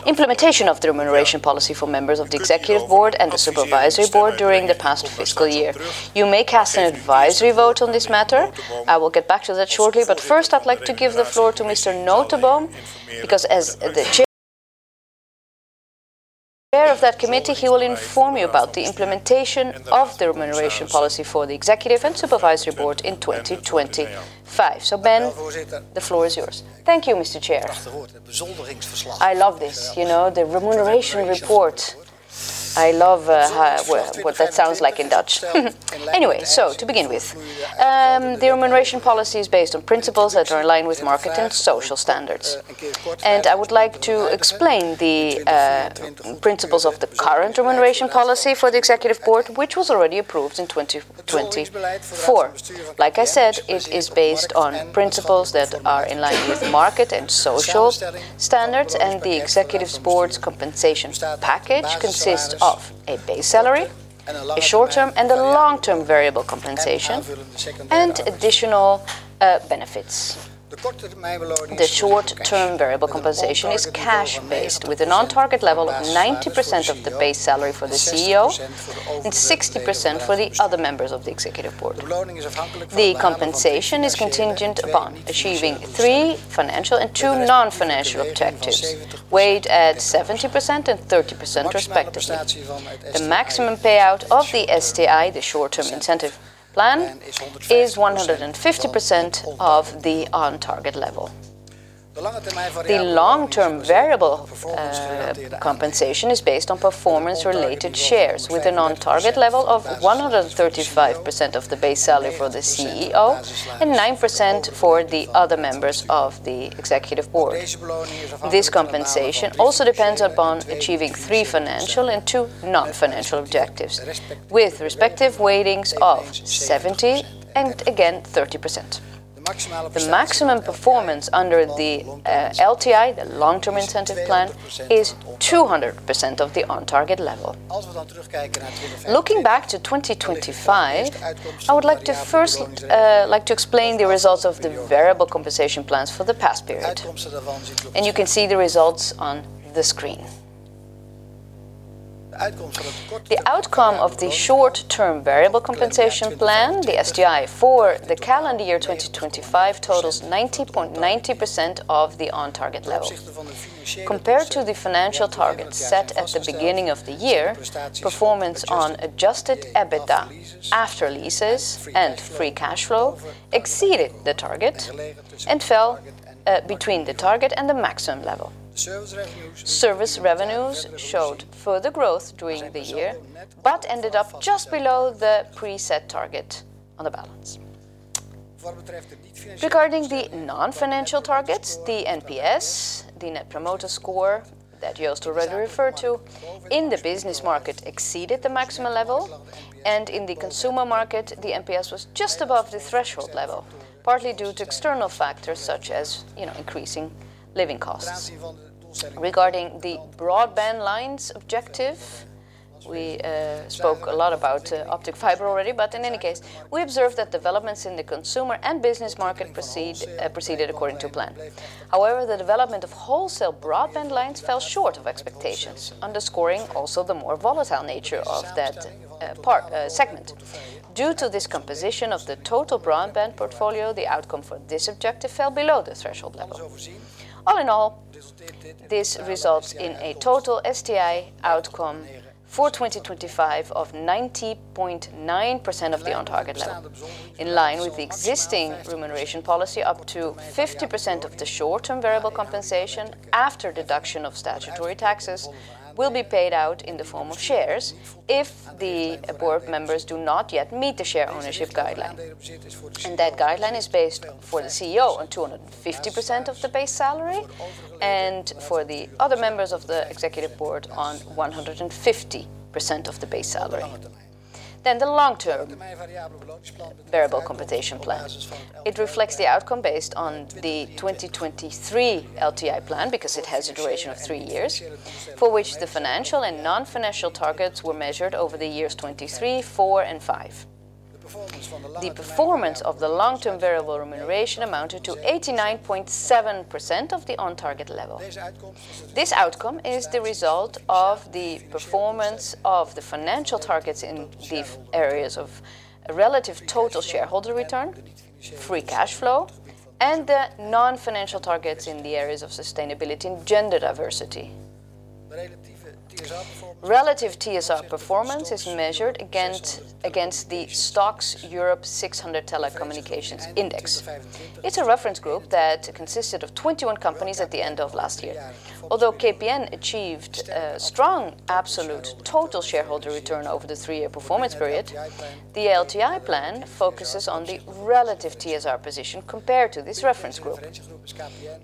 implementation of the remuneration policy for members of the Executive Board and the Supervisory Board during the past fiscal year. You may cast an advisory vote on this matter. I will get back to that shortly. I'd like to give the floor to Mr. Noteboom because as the Chair of that Committee, he will inform you about the implementation of the Remuneration Policy for the Executive and Supervisory Board in 2025. Ben, the floor is yours. Thank you, Mr. Chair. I love this. The Remuneration Report. I love what that sounds like in Dutch. Anyway, to begin with, the Remuneration Policy is based on principles that are in line with market and social standards. I would like to explain the principles of the current Remuneration Policy for the Executive Board, which was already approved in 2024. Like I said, it is based on principles that are in line with market and social standards, and the Executive Board's compensation package consists of a base salary, a short-term, and a long-term Variable Compensation, and additional benefits. The short-term variable compensation is cash-based, with an on-target level of 90% of the base salary for the CEO and 60% for the other members of the Executive Board. The compensation is contingent upon achieving three financial and two non-financial objectives, weighted at 70% and 30%, respectively. The maximum payout of the STI, the short-term incentive plan, is 150% of the on-target level. The long-term variable compensation is based on performance-related shares with an on-target level of 135% of the base salary for the CEO and 9% for the other members of the Executive Board. This compensation also depends upon achieving three financial and two non-financial objectives, with respective weightings of 70% and, again, 30%. The maximum performance under the LTI, the long-term incentive plan, is 200% of the on-target level. Looking back to 2025, I would first like to explain the results of the variable compensation plans for the past period, and you can see the results on the screen. The outcome of the short-term variable compensation plan, the STI, for the calendar year 2025 totals 90.90% of the on-target level. Compared to the financial targets set at the beginning of the year, performance on adjusted EBITDA after leases and free cash flow exceeded the target and fell between the target and the maximum level. Service revenues showed further growth during the year, but ended up just below the preset target on the balance. Regarding the non-financial targets, the NPS, the Net Promoter Score that Joost already referred to in the Business Market exceeded the maximum level, and in the Consumer Market, the NPS was just above the threshold level, partly due to external factors such as increasing living costs. Regarding the broadband lines objective, we spoke a lot about optic fiber already, but in any case, we observed that developments in the Consumer and Business Market proceeded according to plan. However, the development of Wholesale broadband lines fell short of expectations, underscoring also the more volatile nature of that segment. Due to this composition of the total broadband portfolio, the outcome for this objective fell below the threshold level. All in all, this results in a total STI outcome for 2025 of 90.9% of the on-target level. In line with the existing remuneration policy, up to 50% of the short-term variable compensation after deduction of statutory taxes will be paid out in the form of shares if the Board members do not yet meet the share ownership guideline. That guideline is based for the CEO on 250% of the base salary and for the other members of the Executive Board on 150% of the base salary. The long-term Variable Compensation Plan reflects the outcome based on the 2023 LTI plan because it has a duration of three years, for which the financial and non-financial targets were measured over the years 2023, 2024, and 2025. The performance of the long-term Variable Remuneration amounted to 89.7% of the on-target level. This outcome is the result of the performance of the financial targets in the areas of Relative Total Shareholder Return, Free Cash Flow, and the non-financial targets in the areas of sustainability and gender diversity. Relative TSR performance is measured against the STOXX Europe 600 Telecommunications Index. It's a reference group that consisted of 21 companies at the end of last year. Although KPN achieved a strong absolute total shareholder return over the three-year performance period, the LTI plan focuses on the relative TSR position compared to this reference group.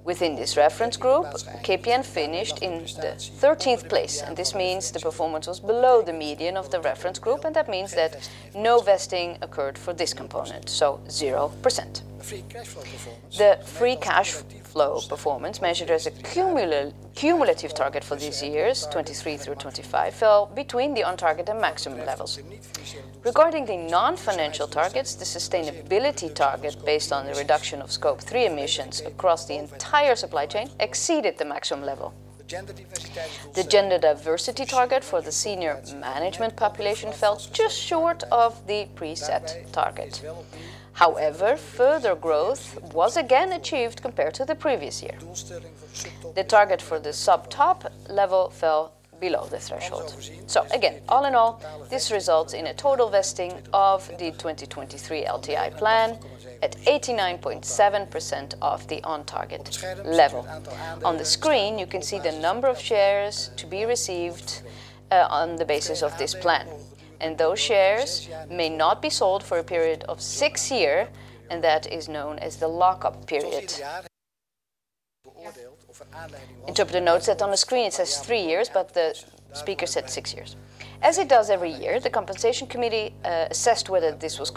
Within this reference group, KPN finished in the 13th place. This means the performance was below the median of the reference group. That means that no vesting occurred for this component, 0%. The free cash flow performance measured as a cumulative target for these years, 2023 through 2025, fell between the on-target and maximum levels. Regarding the non-financial targets, the sustainability target, based on the reduction of Scope three emissions across the entire supply chain, exceeded the maximum level. The gender diversity target for the senior management population fell just short of the preset target. However, further growth was again achieved compared to the previous year. The target for the sub-top level fell below the threshold. Again, all in all, this results in a total vesting of the 2023 LTI plan at 89.7% of the on-target level. On the screen, you can see the number of shares to be received on the basis of this plan. Those shares may not be sold for a period of six years, and that is known as the lock-up period. As it does every year, the Compensation Committee assessed whether this was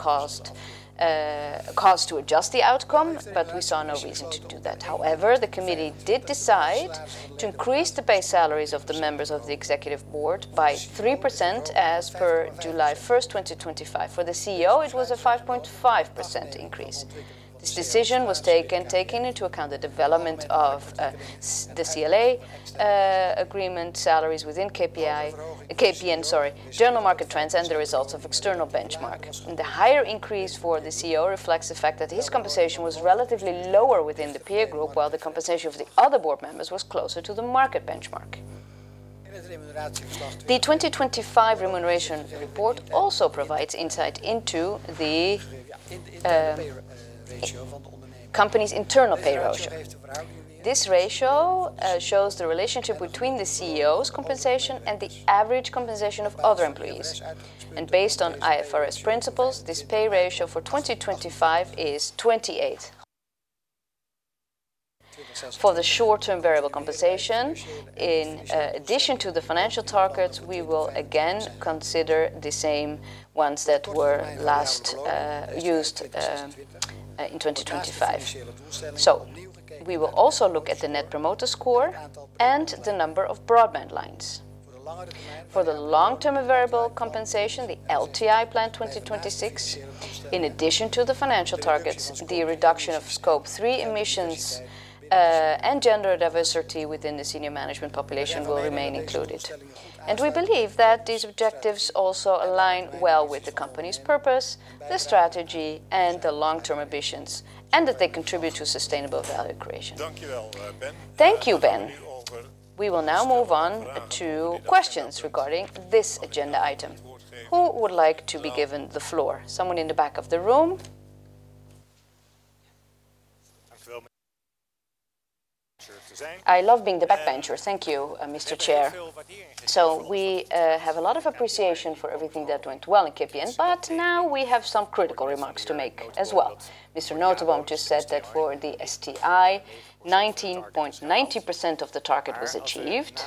cause to adjust the outcome, but we saw no reason to do that. However, the Committee did decide to increase the base salaries of the members of the Executive Board by 3% as per July 1st, 2025. For the CEO, it was a 5.5% increase. This decision was taken into account the development of the CLA agreement, salaries within KPN, general market trends, and the results of external benchmark. The higher increase for the CEO reflects the fact that his compensation was relatively lower within the peer group, while the compensation of the other board members was closer to the market benchmark. The 2025 remuneration report also provides insight into the company's internal pay ratio. This ratio shows the relationship between the CEO's compensation and the average compensation of other employees. Based on IFRS principles, this pay ratio for 2025 is 28. For the short-term variable compensation, in addition to the financial targets, we will again consider the same ones that were last used in 2025. We will also look at the Net Promoter Score and the number of broadband lines. For the long-term variable compensation, the LTI Plan 2026, in addition to the financial targets, the reduction of Scope three emissions and gender diversity within the senior management population will remain included. We believe that these objectives also align well with the company's purpose, the strategy, and the long-term ambitions, and that they contribute to sustainable value creation. Thank you, Ben. We will now move on to questions regarding this agenda item. Who would like to be given the floor? Someone in the back of the room. I love being the backbencher. Thank you, Mr. Chair. We have a lot of appreciation for everything that went well in KPN, but now we have some critical remarks to make as well. Mr. Noteboom just said that for the STI, 19.90% of the target was achieved.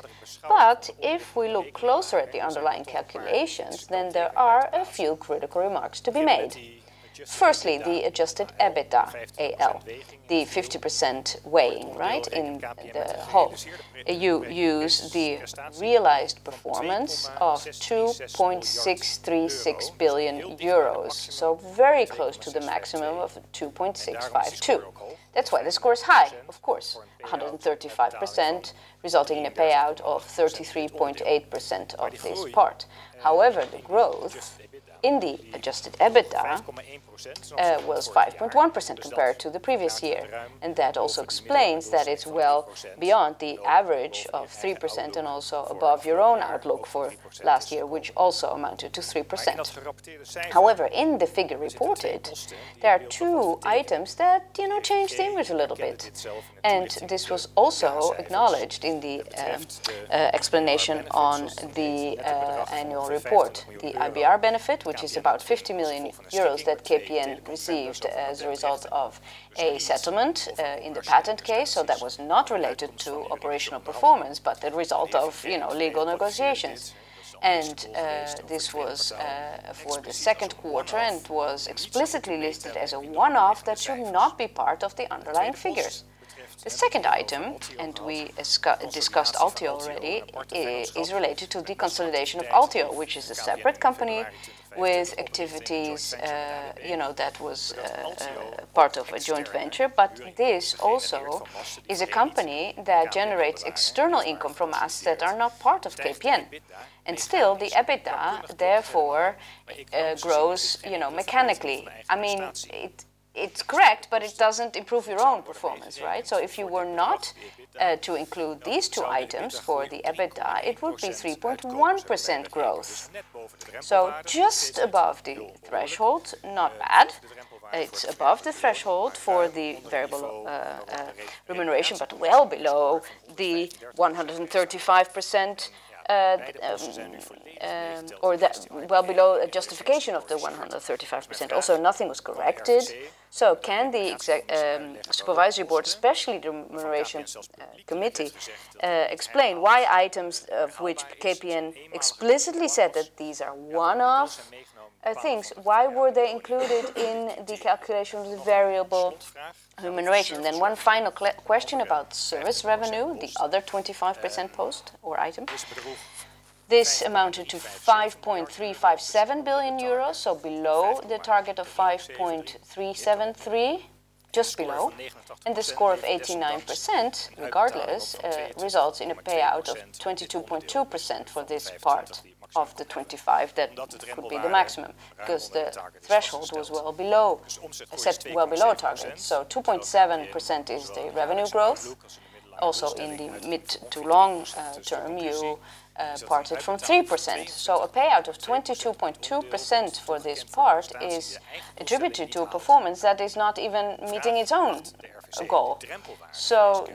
But if we look closer at the underlying calculations, then there are a few critical remarks to be made. Firstly, the adjusted EBITDA AL, the 50% weighing in the whole. You use the realized performance of 2.636 billion euros, so very close to the maximum of 2.652. That's why the score is high, of course, 135%, resulting in a payout of 33.8% of this part. However, the growth in the adjusted EBITDA was 5.1% compared to the previous year, and that also explains that it's well beyond the average of 3% and also above your own outlook for last year, which also amounted to 3%. However, in the figure reported, there are two items that change the image a little bit, and this was also acknowledged in the explanation on the annual report. The IPR benefit, which is about 50 million euros that KPN received as a result of a settlement in the patent case, that was not related to operational performance, but the result of legal negotiations, this was for the Q2 and was explicitly listed as a one-off that should not be part of the underlying figures. The second item, and we discussed Althio already, is related to the consolidation of Althio, which is a separate company with activities that was part of a joint venture. This also is a company that generates external income from us that are not part of KPN, and still the EBITDA, therefore, grows mechanically. It's correct, but it doesn't improve your own performance. If you were not to include these two items for the EBITDA, it would be 3.1% growth, just above the threshold. Not bad. It's above the threshold for the variable remuneration, but well below the justification of the 135%. Also, nothing was corrected. Can the Supervisory Board, especially the Remuneration Committee, explain why items of which KPN explicitly said that these are one-off things, why were they included in the calculation of the variable remuneration? One final question about service revenue, the other 25% post or item. This amounted to 5.357 billion euros, so below the target of 5.373, just below. The score of 89%, regardless, results in a payout of 22.2% for this part of the 25% that could be the maximum because the threshold was set well below target. 2.7% is the revenue growth. Also in the mid to long-term, you parted from 3%. A payout of 22.2% for this part is attributed to a performance that is not even meeting its own goal.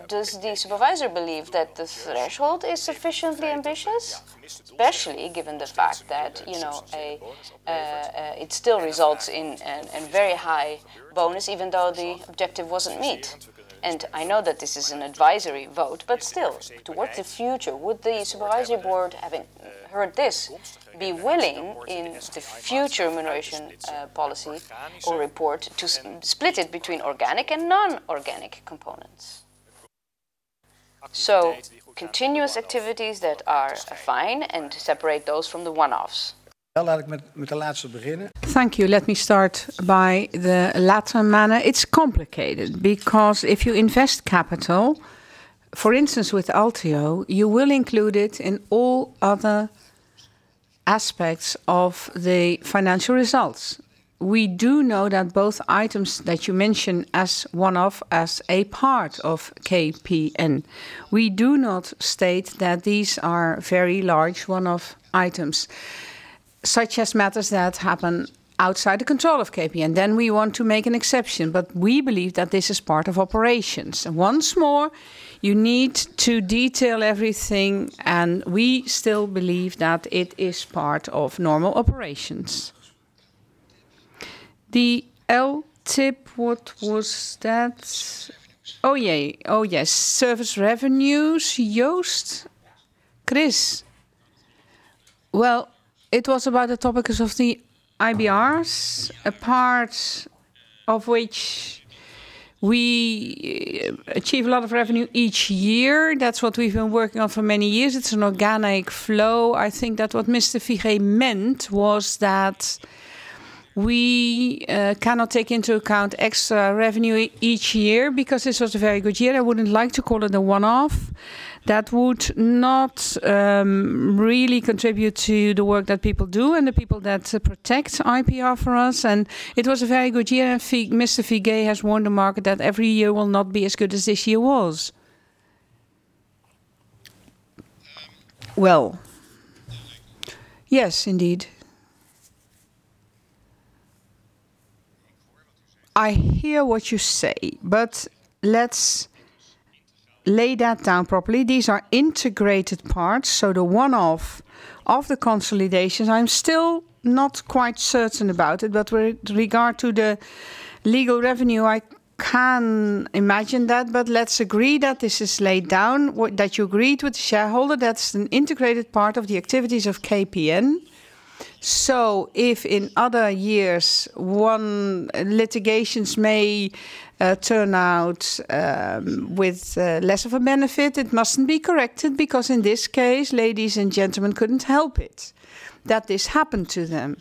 Does the Supervisor believe that the threshold is sufficiently ambitious, especially given the fact that it still results in a very high bonus, even though the objective wasn't met? I know that this is an advisory vote, but still, towards the future, would the Supervisory Board, having heard this, be willing in the future Remuneration Policy or Report to split it between organic and non-organic components, continuous activities that are fine and to separate those from the one-offs? Thank you. Let me start by the latter manner. It's complicated because if you invest capital, for instance, with Althio, you will include it in all other aspects of the financial results. We do know that both items that you mention as one-off, as a part of KPN. We do not state that these are very large one-off items, such as matters that happen outside the control of KPN. We want to make an exception. We believe that this is part of operations. Once more, you need to detail everything, and we still believe that it is part of normal operations. The LTIP, what was that? Oh, yes. Service revenues. Joost? Chris. Well, it was about the topics of the IPRs, a part of which we achieve a lot of revenue each year. That's what we've been working on for many years. It's an organic flow. I think that what Mr. Figee meant was that we cannot take into account extra revenue each year because this was a very good year. I wouldn't like to call it a one-off. That would not really contribute to the work that people do and the people that protect IPR for us. It was a very good year. Mr. Figee has warned the market that every year will not be as good as this year was. Well, yes, indeed, I hear what you say, but let's lay that down properly. These are integrated parts, so the one-off of the consolidations, I'm still not quite certain about it, but with regard to the legal revenue, I can imagine that. Let's agree that this is laid down, that you agreed with the shareholder. That's an integrated part of the activities of KPN. If in other years, won litigations may turn out with less of a benefit, it mustn't be corrected, because in this case, ladies and gentlemen couldn't help it that this happened to them.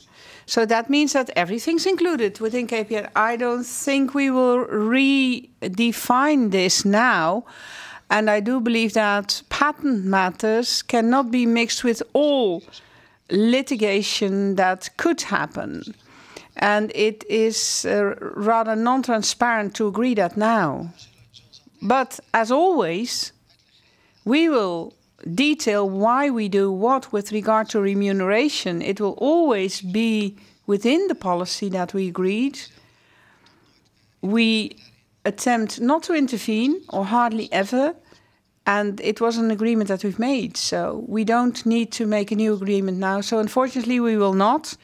That means that everything's included within KPN. I don't think we will redefine this now, and I do believe that patent matters cannot be mixed with all litigation that could happen. It is rather non-transparent to agree that now. As always, we will detail why we do what with regard to remuneration. It will always be within the policy that we agreed. We attempt not to intervene or hardly ever, and it was an agreement that we've made, so we don't need to make a new agreement now, so unfortunately, we will not.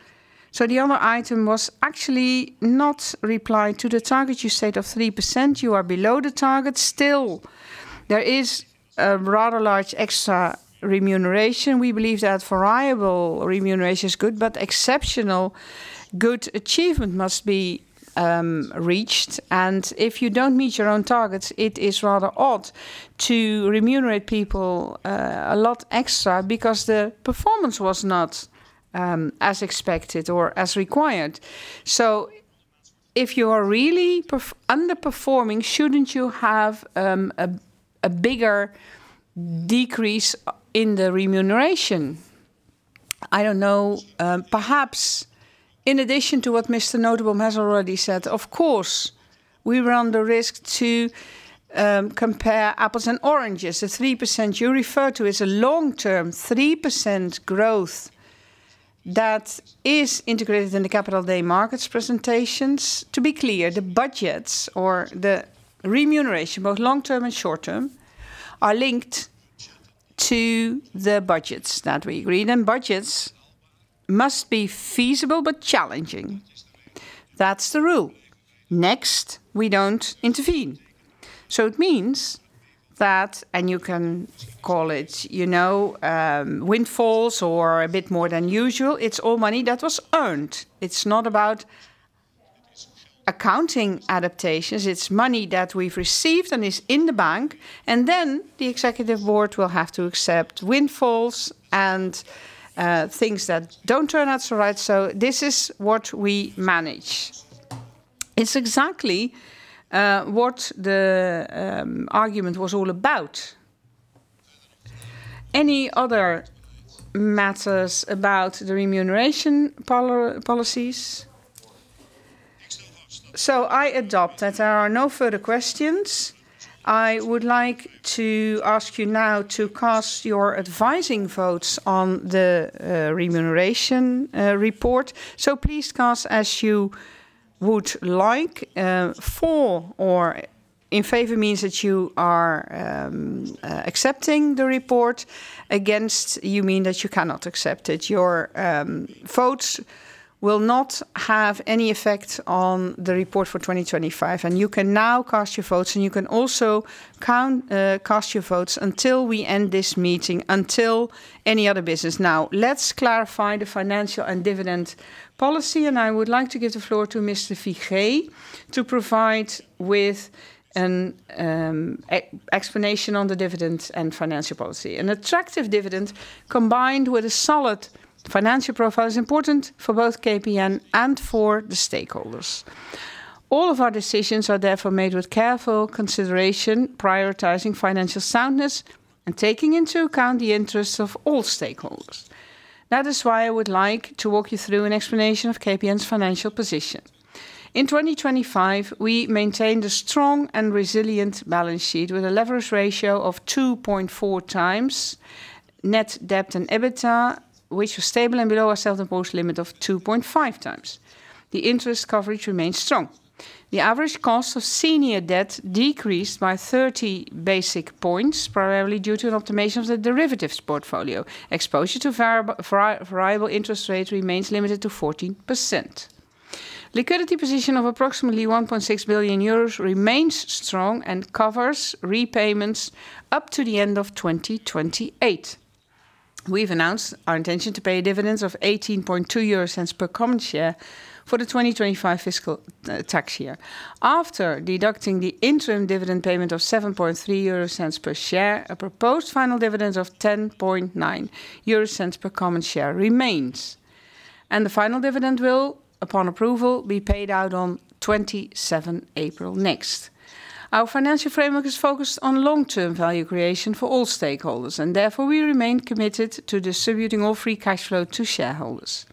The other item was actually not reply to the target you said of 3%. You are below the target. Still, there is a rather large extra remuneration. We believe that variable remuneration is good, but exceptional good achievement must be reached. If you don't meet your own targets, it is rather odd to remunerate people a lot extra because the performance was not as expected or as required. If you are really underperforming, shouldn't you have a bigger decrease in the remuneration? I don't know. Perhaps in addition to what Mr. Noteboom has already said, of course, we run the risk to compare apples and oranges. The 3% you refer to is a long-term 3% growth that is integrated in the Capital Markets Day presentations. To be clear, the budgets or the remuneration, both long-term and short-term, are linked to the budgets that we agreed. Budgets must be feasible but challenging. That's the rule. Next, we don't intervene. It means that, and you can call it windfalls or a bit more than usual, it's all money that was earned. It's not about accounting adaptations. It's money that we've received and is in the bank. The Executive Board will have to accept windfalls and things that don't turn out so right. This is what we manage. It's exactly what the argument was all about. Any other matters about the remuneration policies? I adopt that there are no further questions. I would like to ask you now to cast your advising votes on the Remuneration Report. Please cast as you would like. For or in favor means that you are accepting the report. Against, you mean that you cannot accept it. Your votes will not have any effect on the report for 2025. You can now cast your votes, and you can also cast your votes until we end this meeting, until any other business. Now, let's clarify the financial and dividend policy. I would like to give the floor to Mr. Figee to provide with an explanation on the dividends and financial policy. An attractive dividend combined with a solid financial profile is important for both KPN and for the stakeholders. All of our decisions are therefore made with careful consideration, prioritizing financial soundness, and taking into account the interests of all stakeholders. That is why I would like to walk you through an explanation of KPN's financial position. In 2025, we maintained a strong and resilient balance sheet with a leverage ratio of 2.4x net debt and EBITDA, which was stable and below our self-imposed limit of 2.5x. The interest coverage remains strong. The average cost of senior debt decreased by 30 basis points, primarily due to an optimization of the derivatives portfolio. Exposure to variable interest rates remains limited to 14%. Liquidity position of approximately 1.6 billion euros remains strong and covers repayments up to the end of 2028. We've announced our intention to pay a dividend of 0.182 per common share for the 2025 fiscal tax year. After deducting the interim dividend payment of 0.073 per share, a proposed final dividend of 0.109 per common share remains. The final dividend will, upon approval, be paid out on 27 April next. Our financial framework is focused on long-term value creation for all stakeholders, and therefore we remain committed to distributing all free cash flow to shareholders.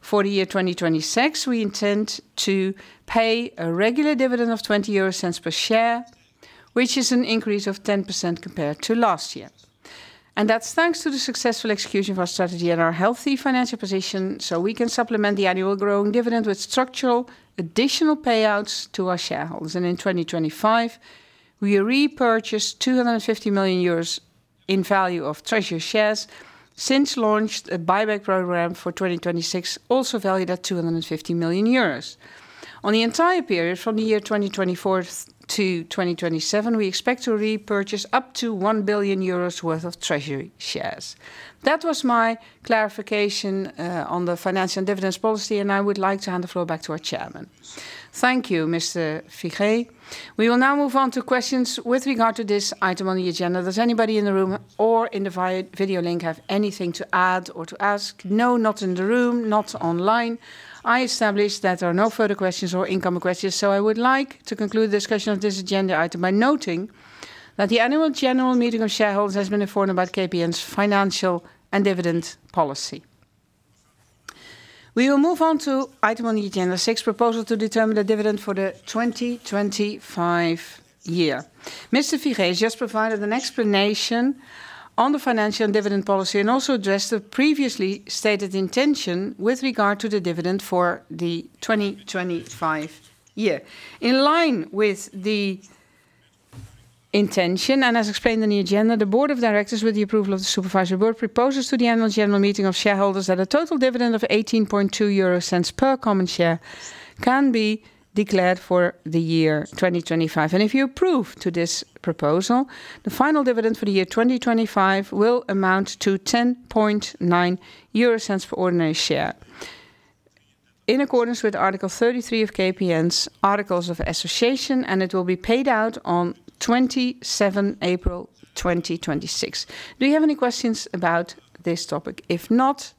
For the year 2026, we intend to pay a regular dividend of 0.20 per share, which is an increase of 10% compared to last year. That's thanks to the successful execution of our strategy and our healthy financial position, so we can supplement the annual growing dividend with structural additional payouts to our shareholders. In 2025, we repurchased 250 million euros in value of treasury shares, since launched a buyback program for 2026, also valued at 250 million euros. On the entire period from the year 2024-2027, we expect to repurchase up to 1 billion euros worth of treasury shares. That was my clarification on the financial and dividends policy, and I would like to hand the floor back to our Chairman. Thank you, Mr. Figee. We will now move on to questions with regard to this item on the agenda. Does anybody in the room or in the video link have anything to add or to ask? No, not in the room, not online. I establish that there are no further questions or incoming questions. I would like to conclude the discussion of this agenda item by noting that the Annual General Meeting of Shareholders has been informed about KPN's financial and dividend policy. We will move on to item on the agenda six, proposal to determine the dividend for the 2025 year. Mr. Figee has just provided an explanation on the financial and dividend policy and also addressed the previously stated intention with regard to the dividend for the 2025 year. In line with the intention and as explained in the agenda, the Board of Directors, with the approval of the Supervisory Board, proposes to the Annual General Meeting of shareholders that a total dividend of 0.182 per common share can be declared for the year 2025. If you approve to this proposal, the final dividend for the year 2025 will amount to 0.109 per ordinary share. In accordance with Article 33 of KPN's Articles of Association, and it will be paid out on 27 April 2026. Do you have any questions about this topic? If not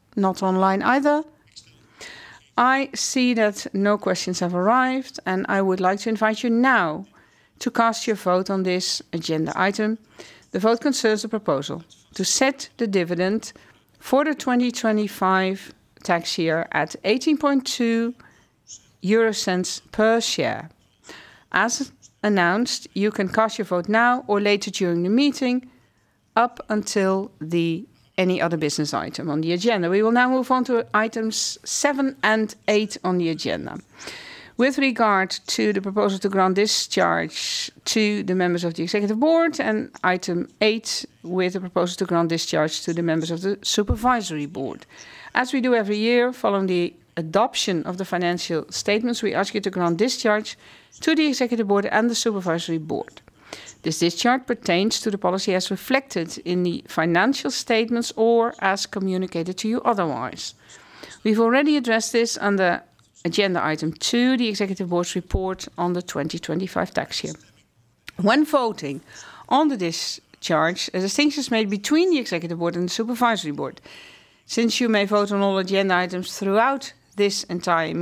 online either. I see that no questions have arrived, and I would like to invite you now to cast your vote on this agenda item. The vote concerns the proposal to set the dividend for the 2025 tax year at 0.182 per share. As announced, you can cast your vote now or later during the meeting, up until any other business item on the agenda. We will now move on to items seven and eight on the agenda, with regard to the proposal to grant discharge to the members of the Executive Board and item eight with the proposal to grant discharge to the members of the Supervisory Board. As we do every year following the adoption of the Financial Statements, we ask you to grant discharge to the Executive Board and the Supervisory Board. This discharge pertains to the policy as reflected in the Financial Statements or as communicated to you otherwise. We've already addressed this under agenda item two, the Executive Board's report on the 2025 tax year. When voting on the discharge, a distinction is made between the Executive Board and the Supervisory Board. Uncertain.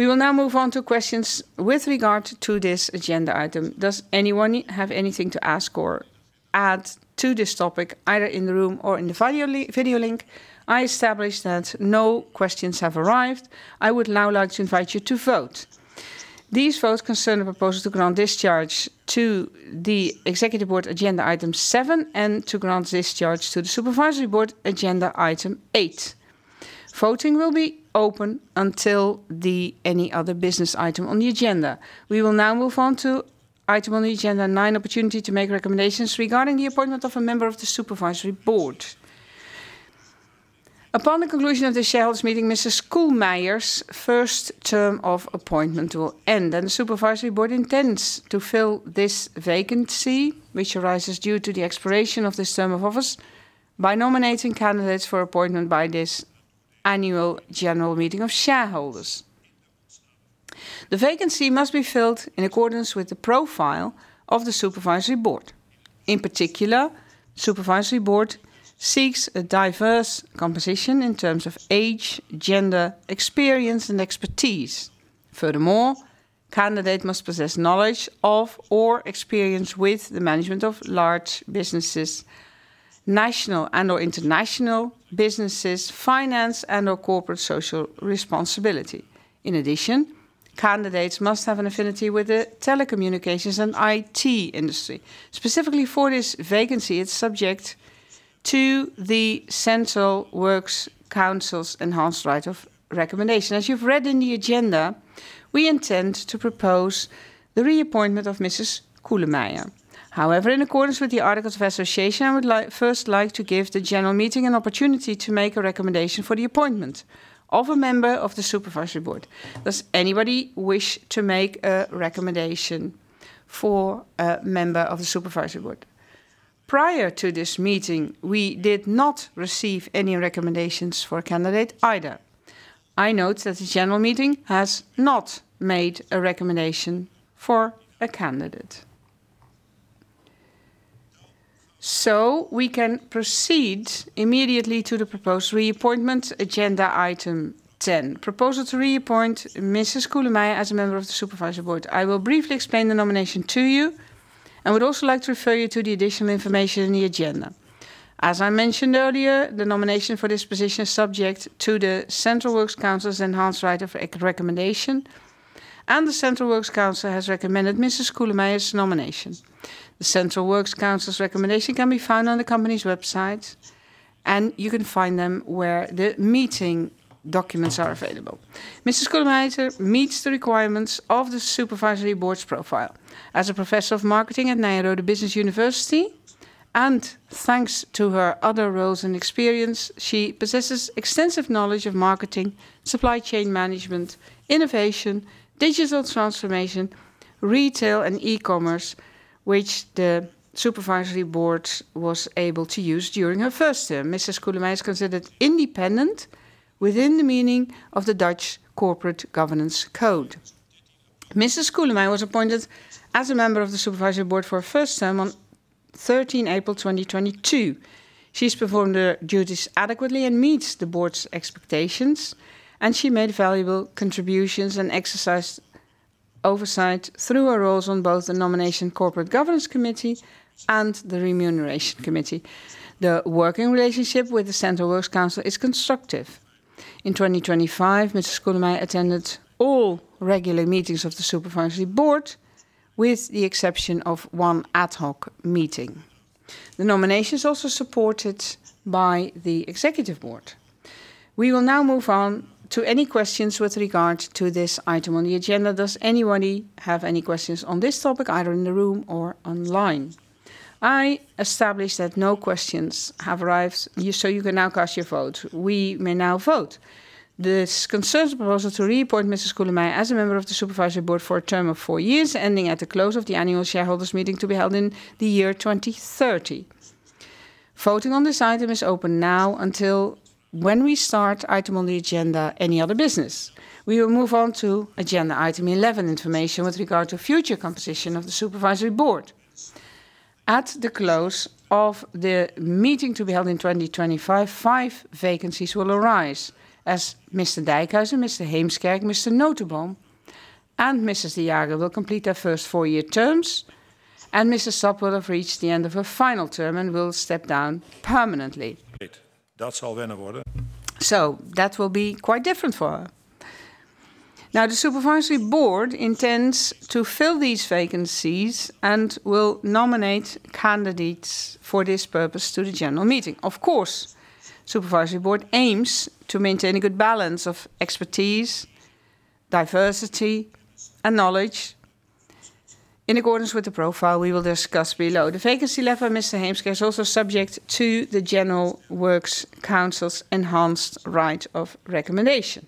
We will now move on to item on the agenda nine, opportunity to make recommendations regarding the appointment of a member of the Supervisory Board. Upon the conclusion of the Shareholders Meeting, Ms. Koelemeijer's first term of appointment will end, and the Supervisory Board intends to fill this vacancy, which arises due to the expiration of this term of office, by nominating candidates for appointment by this Annual General Meeting of Shareholders. The vacancy must be filled in accordance with the profile of the Supervisory Board. In particular, Supervisory Board seeks a diverse composition in terms of age, gender, experience, and expertise. Furthermore, candidate must possess knowledge of or experience with the management of large businesses, national and/or international businesses, finance and/or corporate social responsibility. In addition, candidates must have an affinity with the telecommunications and IT industry. Specifically for this vacancy, it's subject to the Central Works Council's enhanced right of recommendation. As you've read in the agenda, we intend to propose the reappointment of Mrs. Koelemeijer. However, in accordance with the Articles of Association, I would first like to give the General Meeting an opportunity to make a recommendation for the appointment of a member of the Supervisory Board. Does anybody wish to make a recommendation for a member of the Supervisory Board? Prior to this meeting, we did not receive any recommendations for a candidate either. I note that the General Meeting has not made a recommendation for a candidate. We can proceed immediately to the proposed reappointment, Agenda Item 10. Proposal to reappoint Mrs. Koelemeijer as a member of the Supervisory Board. I will briefly explain the nomination to you and would also like to refer you to the additional information in the agenda. As I mentioned earlier, the nomination for this position is subject to the Central Works Council's enhanced right of recommendation. The Central Works Council has recommended Mrs. Koelemeijer's nomination. The Central Works Council's recommendation can be found on the company's website, and you can find them where the meeting documents are available. Mrs. Koelemeijer meets the requirements of the Supervisory Board's profile. As a professor of marketing at Nyenrode Business University, and thanks to her other roles and experience, she possesses extensive knowledge of marketing, supply chain management, innovation, digital transformation, retail, and e-commerce, which the Supervisory Board was able to use during her first term. Mrs. Koelemeijer is considered independent within the meaning of the Dutch Corporate Governance Code. Mrs. Koelemeijer was appointed as a member of the Supervisory Board for her first term on 13 April 2022. She's performed her duties adequately and meets the Board's expectations, and she made valuable contributions and exercised oversight through her roles on both the Nominating & Corporate Governance Committee and the Remuneration Committee. The working relationship with the Central Works Council is constructive. In 2025, Ms. Koelemeijer attended all regular meetings of the Supervisory Board, with the exception of one ad hoc meeting. The nomination is also supported by the Executive Board. We will now move on to any questions with regard to this item on the agenda. Does anybody have any questions on this topic, either in the room or online? I establish that no questions have arrived, so you can now cast your vote. We may now vote. This concerns the proposal to reappoint Mrs. Koelemeijer as a member of the Supervisory Board for a term of four years, ending at the close of the Annual Shareholders' Meeting to be held in the year 2030. Voting on this item is open now until when we start item on the agenda, Any Other Business. We will move on to agenda item 11, information with regard to future composition of the Supervisory Board. At the close of the meeting to be held in 2025, five vacancies will arise as Mr. Dijkhuizen, Mr. Heemskerk, Mr. Noteboom, and Mrs. De Jager will complete their first four-year terms, and Mrs. Sap will have reached the end of her final term and will step down permanently. That will be quite different for her. Now, the Supervisory Board intends to fill these vacancies and will nominate candidates for this purpose to the General Meeting. Of course, the Supervisory Board aims to maintain a good balance of expertise, diversity, and knowledge in accordance with the profile we will discuss below. The vacancy left by Mr. Heemskerk is also subject to the Central Works Council's enhanced right of recommendation.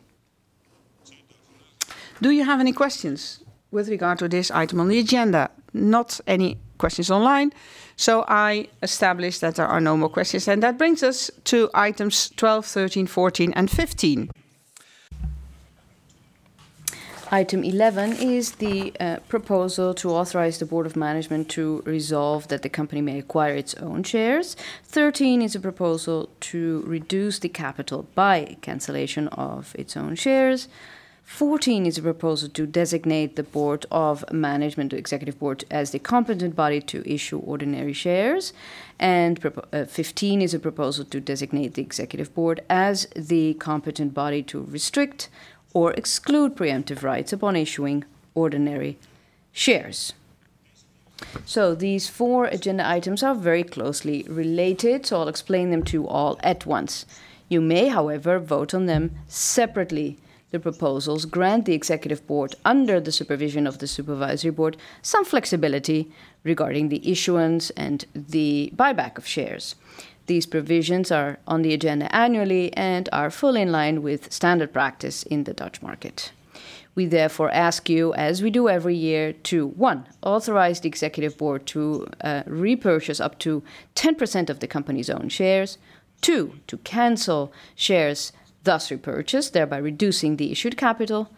Do you have any questions with regard to this item on the agenda? Not any questions online, so I establish that there are no more questions. That brings us to Items 12, 13, 14, and 15. Item 11 is the proposal to authorize the Board of Management to resolve that the company may acquire its own shares. 13 is a proposal to reduce the capital by cancellation of its own shares. 14 is a proposal to designate the Board of Management, the Executive Board, as the competent body to issue ordinary shares. 15 is a proposal to designate the Executive Board as the competent body to restrict or exclude preemptive rights upon issuing ordinary shares. These four agenda items are very closely related. I'll explain them to you all at once. You may, however, vote on them separately. The proposals grant the Executive Board, under the supervision of the Supervisory Board, some flexibility regarding the issuance and the buyback of shares. These provisions are on the agenda annually and are fully in line with standard practice in the Dutch market. We therefore ask you, as we do every year, to, one, authorize the Executive Board to repurchase up to 10% of the company's own shares. Two, to cancel shares thus repurchased, thereby reducing the issued capital.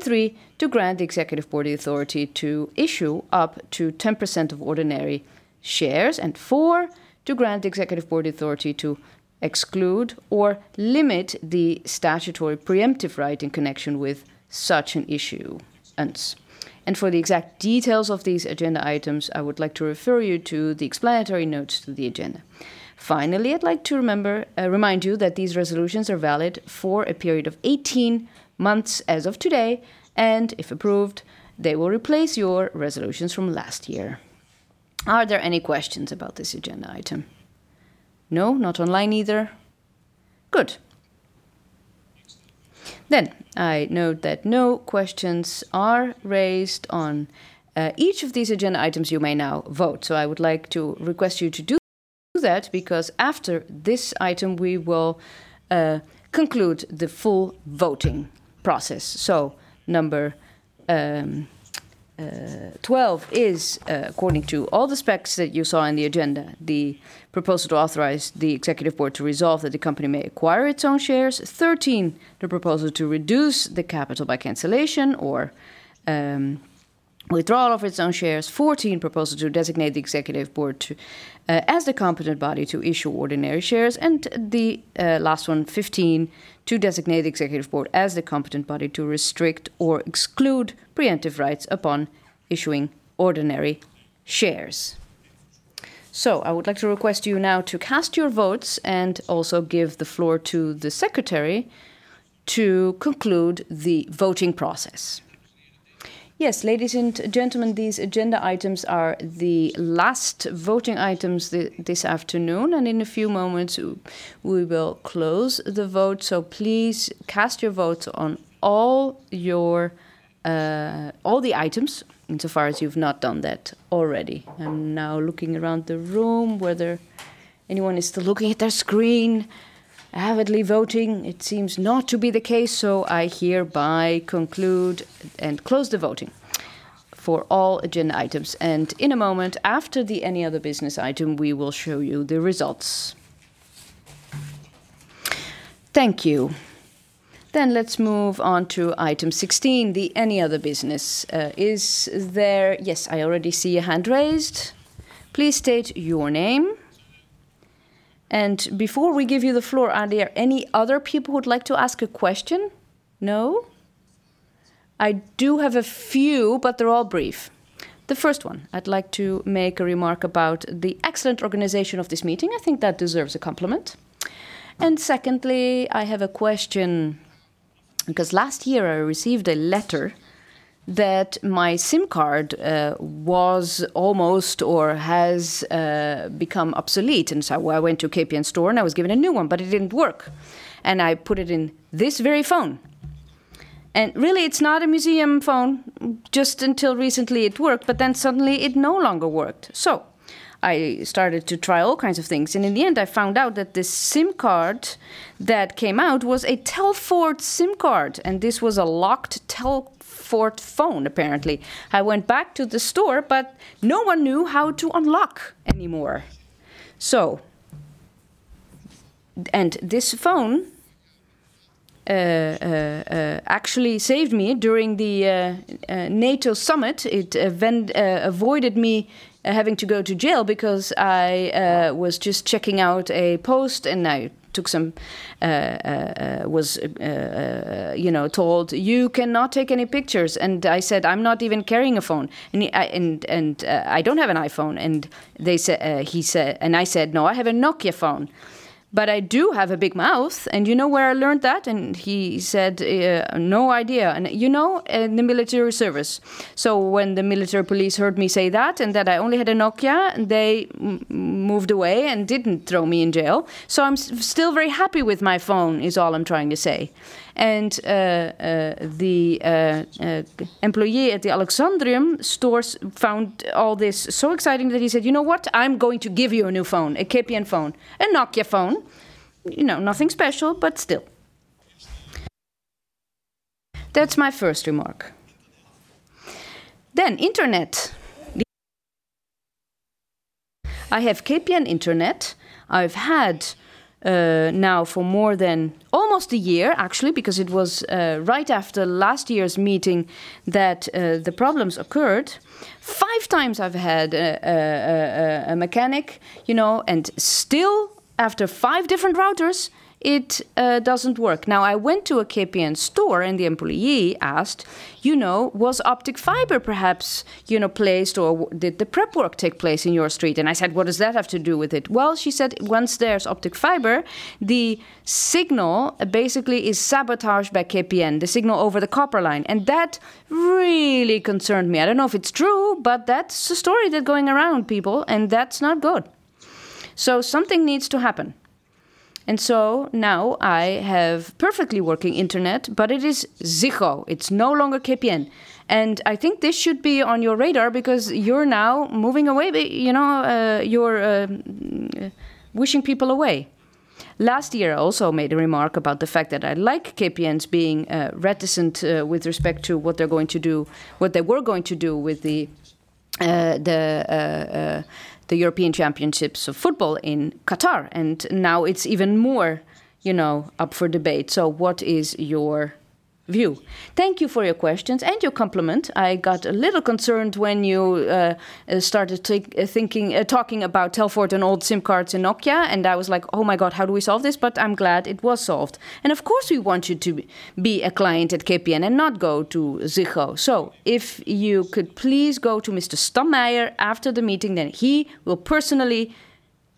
Three, to grant the Executive Board the authority to issue up to 10% of ordinary shares. Four, to grant the Executive Board the authority to exclude or limit the statutory preemptive right in connection with such an issuance. For the exact details of these agenda items, I would like to refer you to the explanatory notes to the agenda. Finally, I'd like to remind you that these resolutions are valid for a period of 18 months as of today, and if approved, they will replace your resolutions from last year. Are there any questions about this agenda item? No? Not online either. Good. I note that no questions are raised on each of these agenda items. You may now vote. I would like to request you to do that, because after this item, we will conclude the full voting process. Number 12 is, according to all the specs that you saw in the agenda, the proposal to authorize the Executive Board to resolve that the company may acquire its own shares. 13, the proposal to reduce the capital by cancellation or withdrawal of its own shares. 14, proposal to designate the Executive Board as the competent body to issue ordinary shares. The last one, 15, to designate the Executive Board as the competent body to restrict or exclude preemptive rights upon issuing ordinary shares. I would like to request you now to cast your votes and also give the floor to the Secretary to conclude the voting process. Yes, ladies and gentlemen, these agenda items are the last voting items this afternoon, and in a few moments, we will close the vote. Please cast your votes on all the items insofar as you've not done that already. I'm now looking around the room whether anyone is still looking at their screen, avidly voting. It seems not to be the case, so I hereby conclude and close the voting for all agenda items. In a moment, after the any other business item, we will show you the results. Thank you. Let's move on to item 16, the any other business. Yes, I already see a hand raised. Please state your name. Before we give you the floor, are there any other people who would like to ask a question? No. I do have a few, but they're all brief. The first one, I'd like to make a remark about the excellent organization of this meeting. I think that deserves a compliment. Secondly, I have a question because last year I received a letter that my SIM card was almost or has become obsolete. I went to KPN store and I was given a new one, but it didn't work. I put it in this very phone. Really it's not a museum phone, just until recently it worked, but then suddenly it no longer worked. I started to try all kinds of things, and in the end, I found out that the SIM card that came out was a Telfort SIM card, and this was a locked Telfort phone apparently. I went back to the store, but no one knew how to unlock anymore. This phone actually saved me during the NATO summit. It avoided me having to go to jail because I was just checking out a post and I was told, "You cannot take any pictures." I said, "I'm not even carrying a phone." I don't have an iPhone. I said, "No, I have a Nokia phone," but I do have a big mouth. You know where I learned that? He said, "No idea." You know, in the military service. When the military police heard me say that, and that I only had a Nokia, they moved away and didn't throw me in jail. I'm still very happy with my phone, is all I'm trying to say. The employee at the Alexandrium stores found all this so exciting that he said, "You know what? I'm going to give you a new phone," a KPN phone. A Nokia phone, nothing special, but still. That's my first remark. Internet. I have KPN internet. I've had now for more than almost a year, actually, because it was right after last year's meeting that the problems occurred. Five times I've had a mechanic, and still after five different routers, it doesn't work. Now, I went to a KPN store and the employee asked, "Was optic fiber perhaps placed or did the prep work take place in your street?" I said, "What does that have to do with it?" "Well," she said, "once there's optic fiber, the signal basically is sabotaged by KPN, the signal over the copper line." That really concerned me. I don't know if it's true, but that's the story that's going around people, and that's not good. Something needs to happen. Now I have perfectly working internet, but it is Ziggo. It's no longer KPN. I think this should be on your radar because you're now moving away. You're wishing people away. Last year, I also made a remark about the fact that I like KPN's being reticent with respect to what they were going to do with the European Championships of football in Qatar, and now it's even more up for debate. What is your view? Thank you for your questions and your compliment. I got a little concerned when you started talking about Telfort and old SIM cards and Nokia, and I was like, "Oh my God, how do we solve this?" I'm glad it was solved. Of course, we want you to be a client at KPN and not go to Ziggo. If you could please go to Mr. Stammeijer after the meeting, then he will personally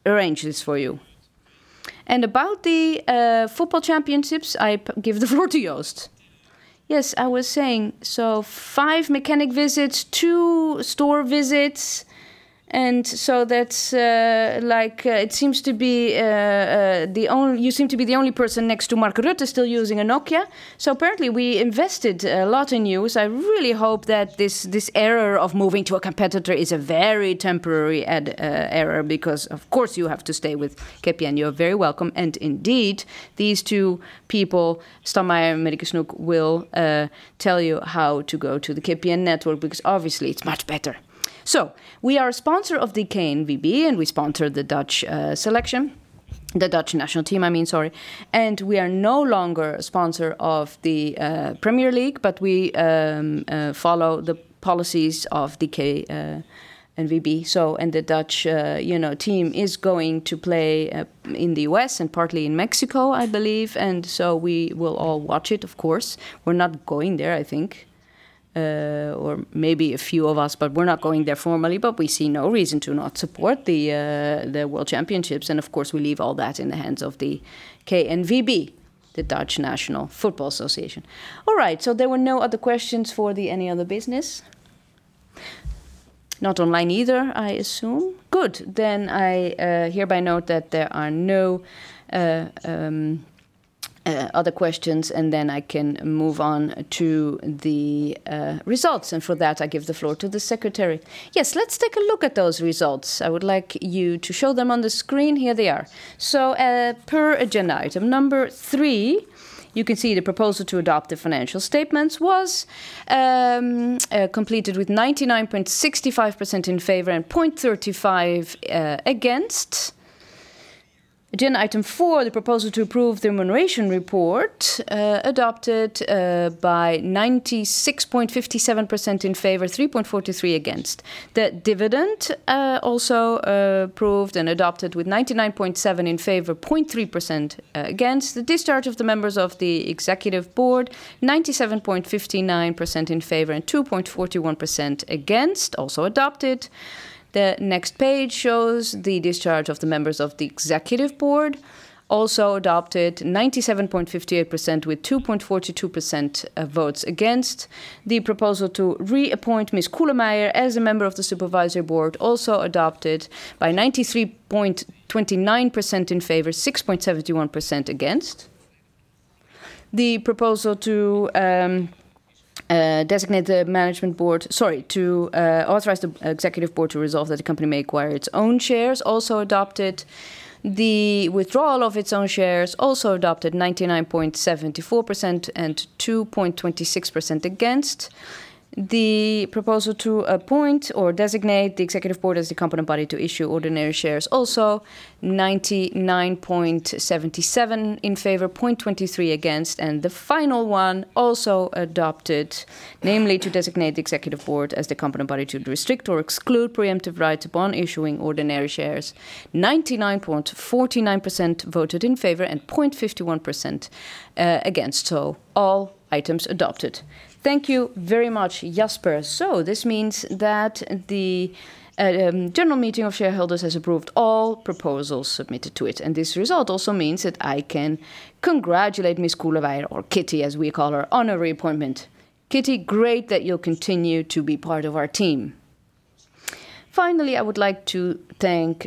arrange this for you. About the football championships, I give the floor to Joost. Yes, I was saying, five mechanic visits, two store visits. You seem to be the only person next to Mark Rutte still using a Nokia. Apparently we invested a lot in you, so I really hope that this error of moving to a competitor is a very temporary error because of course you have to stay with KPN. You're very welcome. Indeed, these two people, Stammeijer and Marieke Snoep will tell you how to go to the KPN network because obviously it's much better. We are a sponsor of the KNVB, and we sponsor the Dutch national team. We are no longer a sponsor of the Eredivisie, but we follow the policies of the KNVB. The Dutch team is going to play in the West and partly in Mexico, I believe. We will all watch it, of course. We're not going there, I think. Maybe a few of us, but we're not going there formally, but we see no reason to not support the World Championships. Of course, we leave all that in the hands of the KNVB, the Dutch National Football Association. There were no other questions for any other business. Not online either, I assume. Good. I hereby note that there are no other questions, and then I can move on to the results. For that, I give the floor to the Secretary. Yes, let's take a look at those results. I would like you to show them on the screen. Here they are. Per agenda item number three, you can see the proposal to adopt the financial statements was completed with 99.65% in favor and 0.35% against. Agenda item four, the proposal to approve the remuneration report, adopted by 96.57% in favor, 3.43% against. The dividend, also approved and adopted with 99.7% in favor, 0.3% against. The discharge of the members of the Executive Board, 97.59% in favor and 2.41% against, also adopted. The next page shows the discharge of the members of the Executive Board, also adopted 97.58% with 2.42% votes against. The proposal to reappoint Ms. Koelemeijer as a member of the Supervisory Board, also adopted by 93.29% in favor, 6.71% against. The proposal to authorize the Executive Board to resolve that the company may acquire its own shares, also adopted. The withdrawal of its own shares, also adopted 99.74% and 2.26% against. The proposal to appoint or designate the Executive Board as the competent body to issue ordinary shares, also 99.77% in favor, 0.23% against. The final one also adopted, namely to designate the Executive Board as the competent body to restrict or exclude preemptive rights upon issuing ordinary shares. 99.49% voted in favor and 0.51% against. All items adopted. Thank you very much, Jasper. This means that the General Meeting of Shareholders has approved all proposals submitted to it. This result also means that I can congratulate Ms. Koelemeijer, or Kitty, as we call her, on her reappointment. Kitty, great that you'll continue to be part of our team. Finally, I would like to thank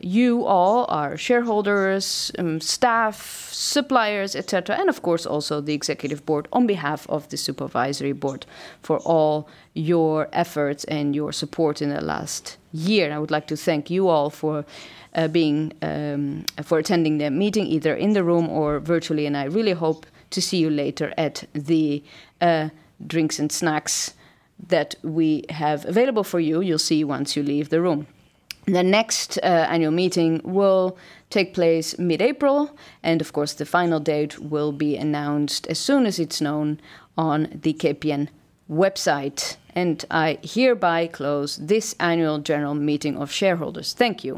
you all, our shareholders, staff, suppliers, et cetera, and of course, also the Executive Board, on behalf of the Supervisory Board for all your efforts and your support in the last year. I would like to thank you all for attending the meeting, either in the room or virtually. I really hope to see you later at the drinks and snacks that we have available for you. You'll see once you leave the room. The next Annual Meeting will take place mid-April, and of course, the final date will be announced as soon as it's known on the KPN website. I hereby close this Annual General Meeting of Shareholders. Thank you.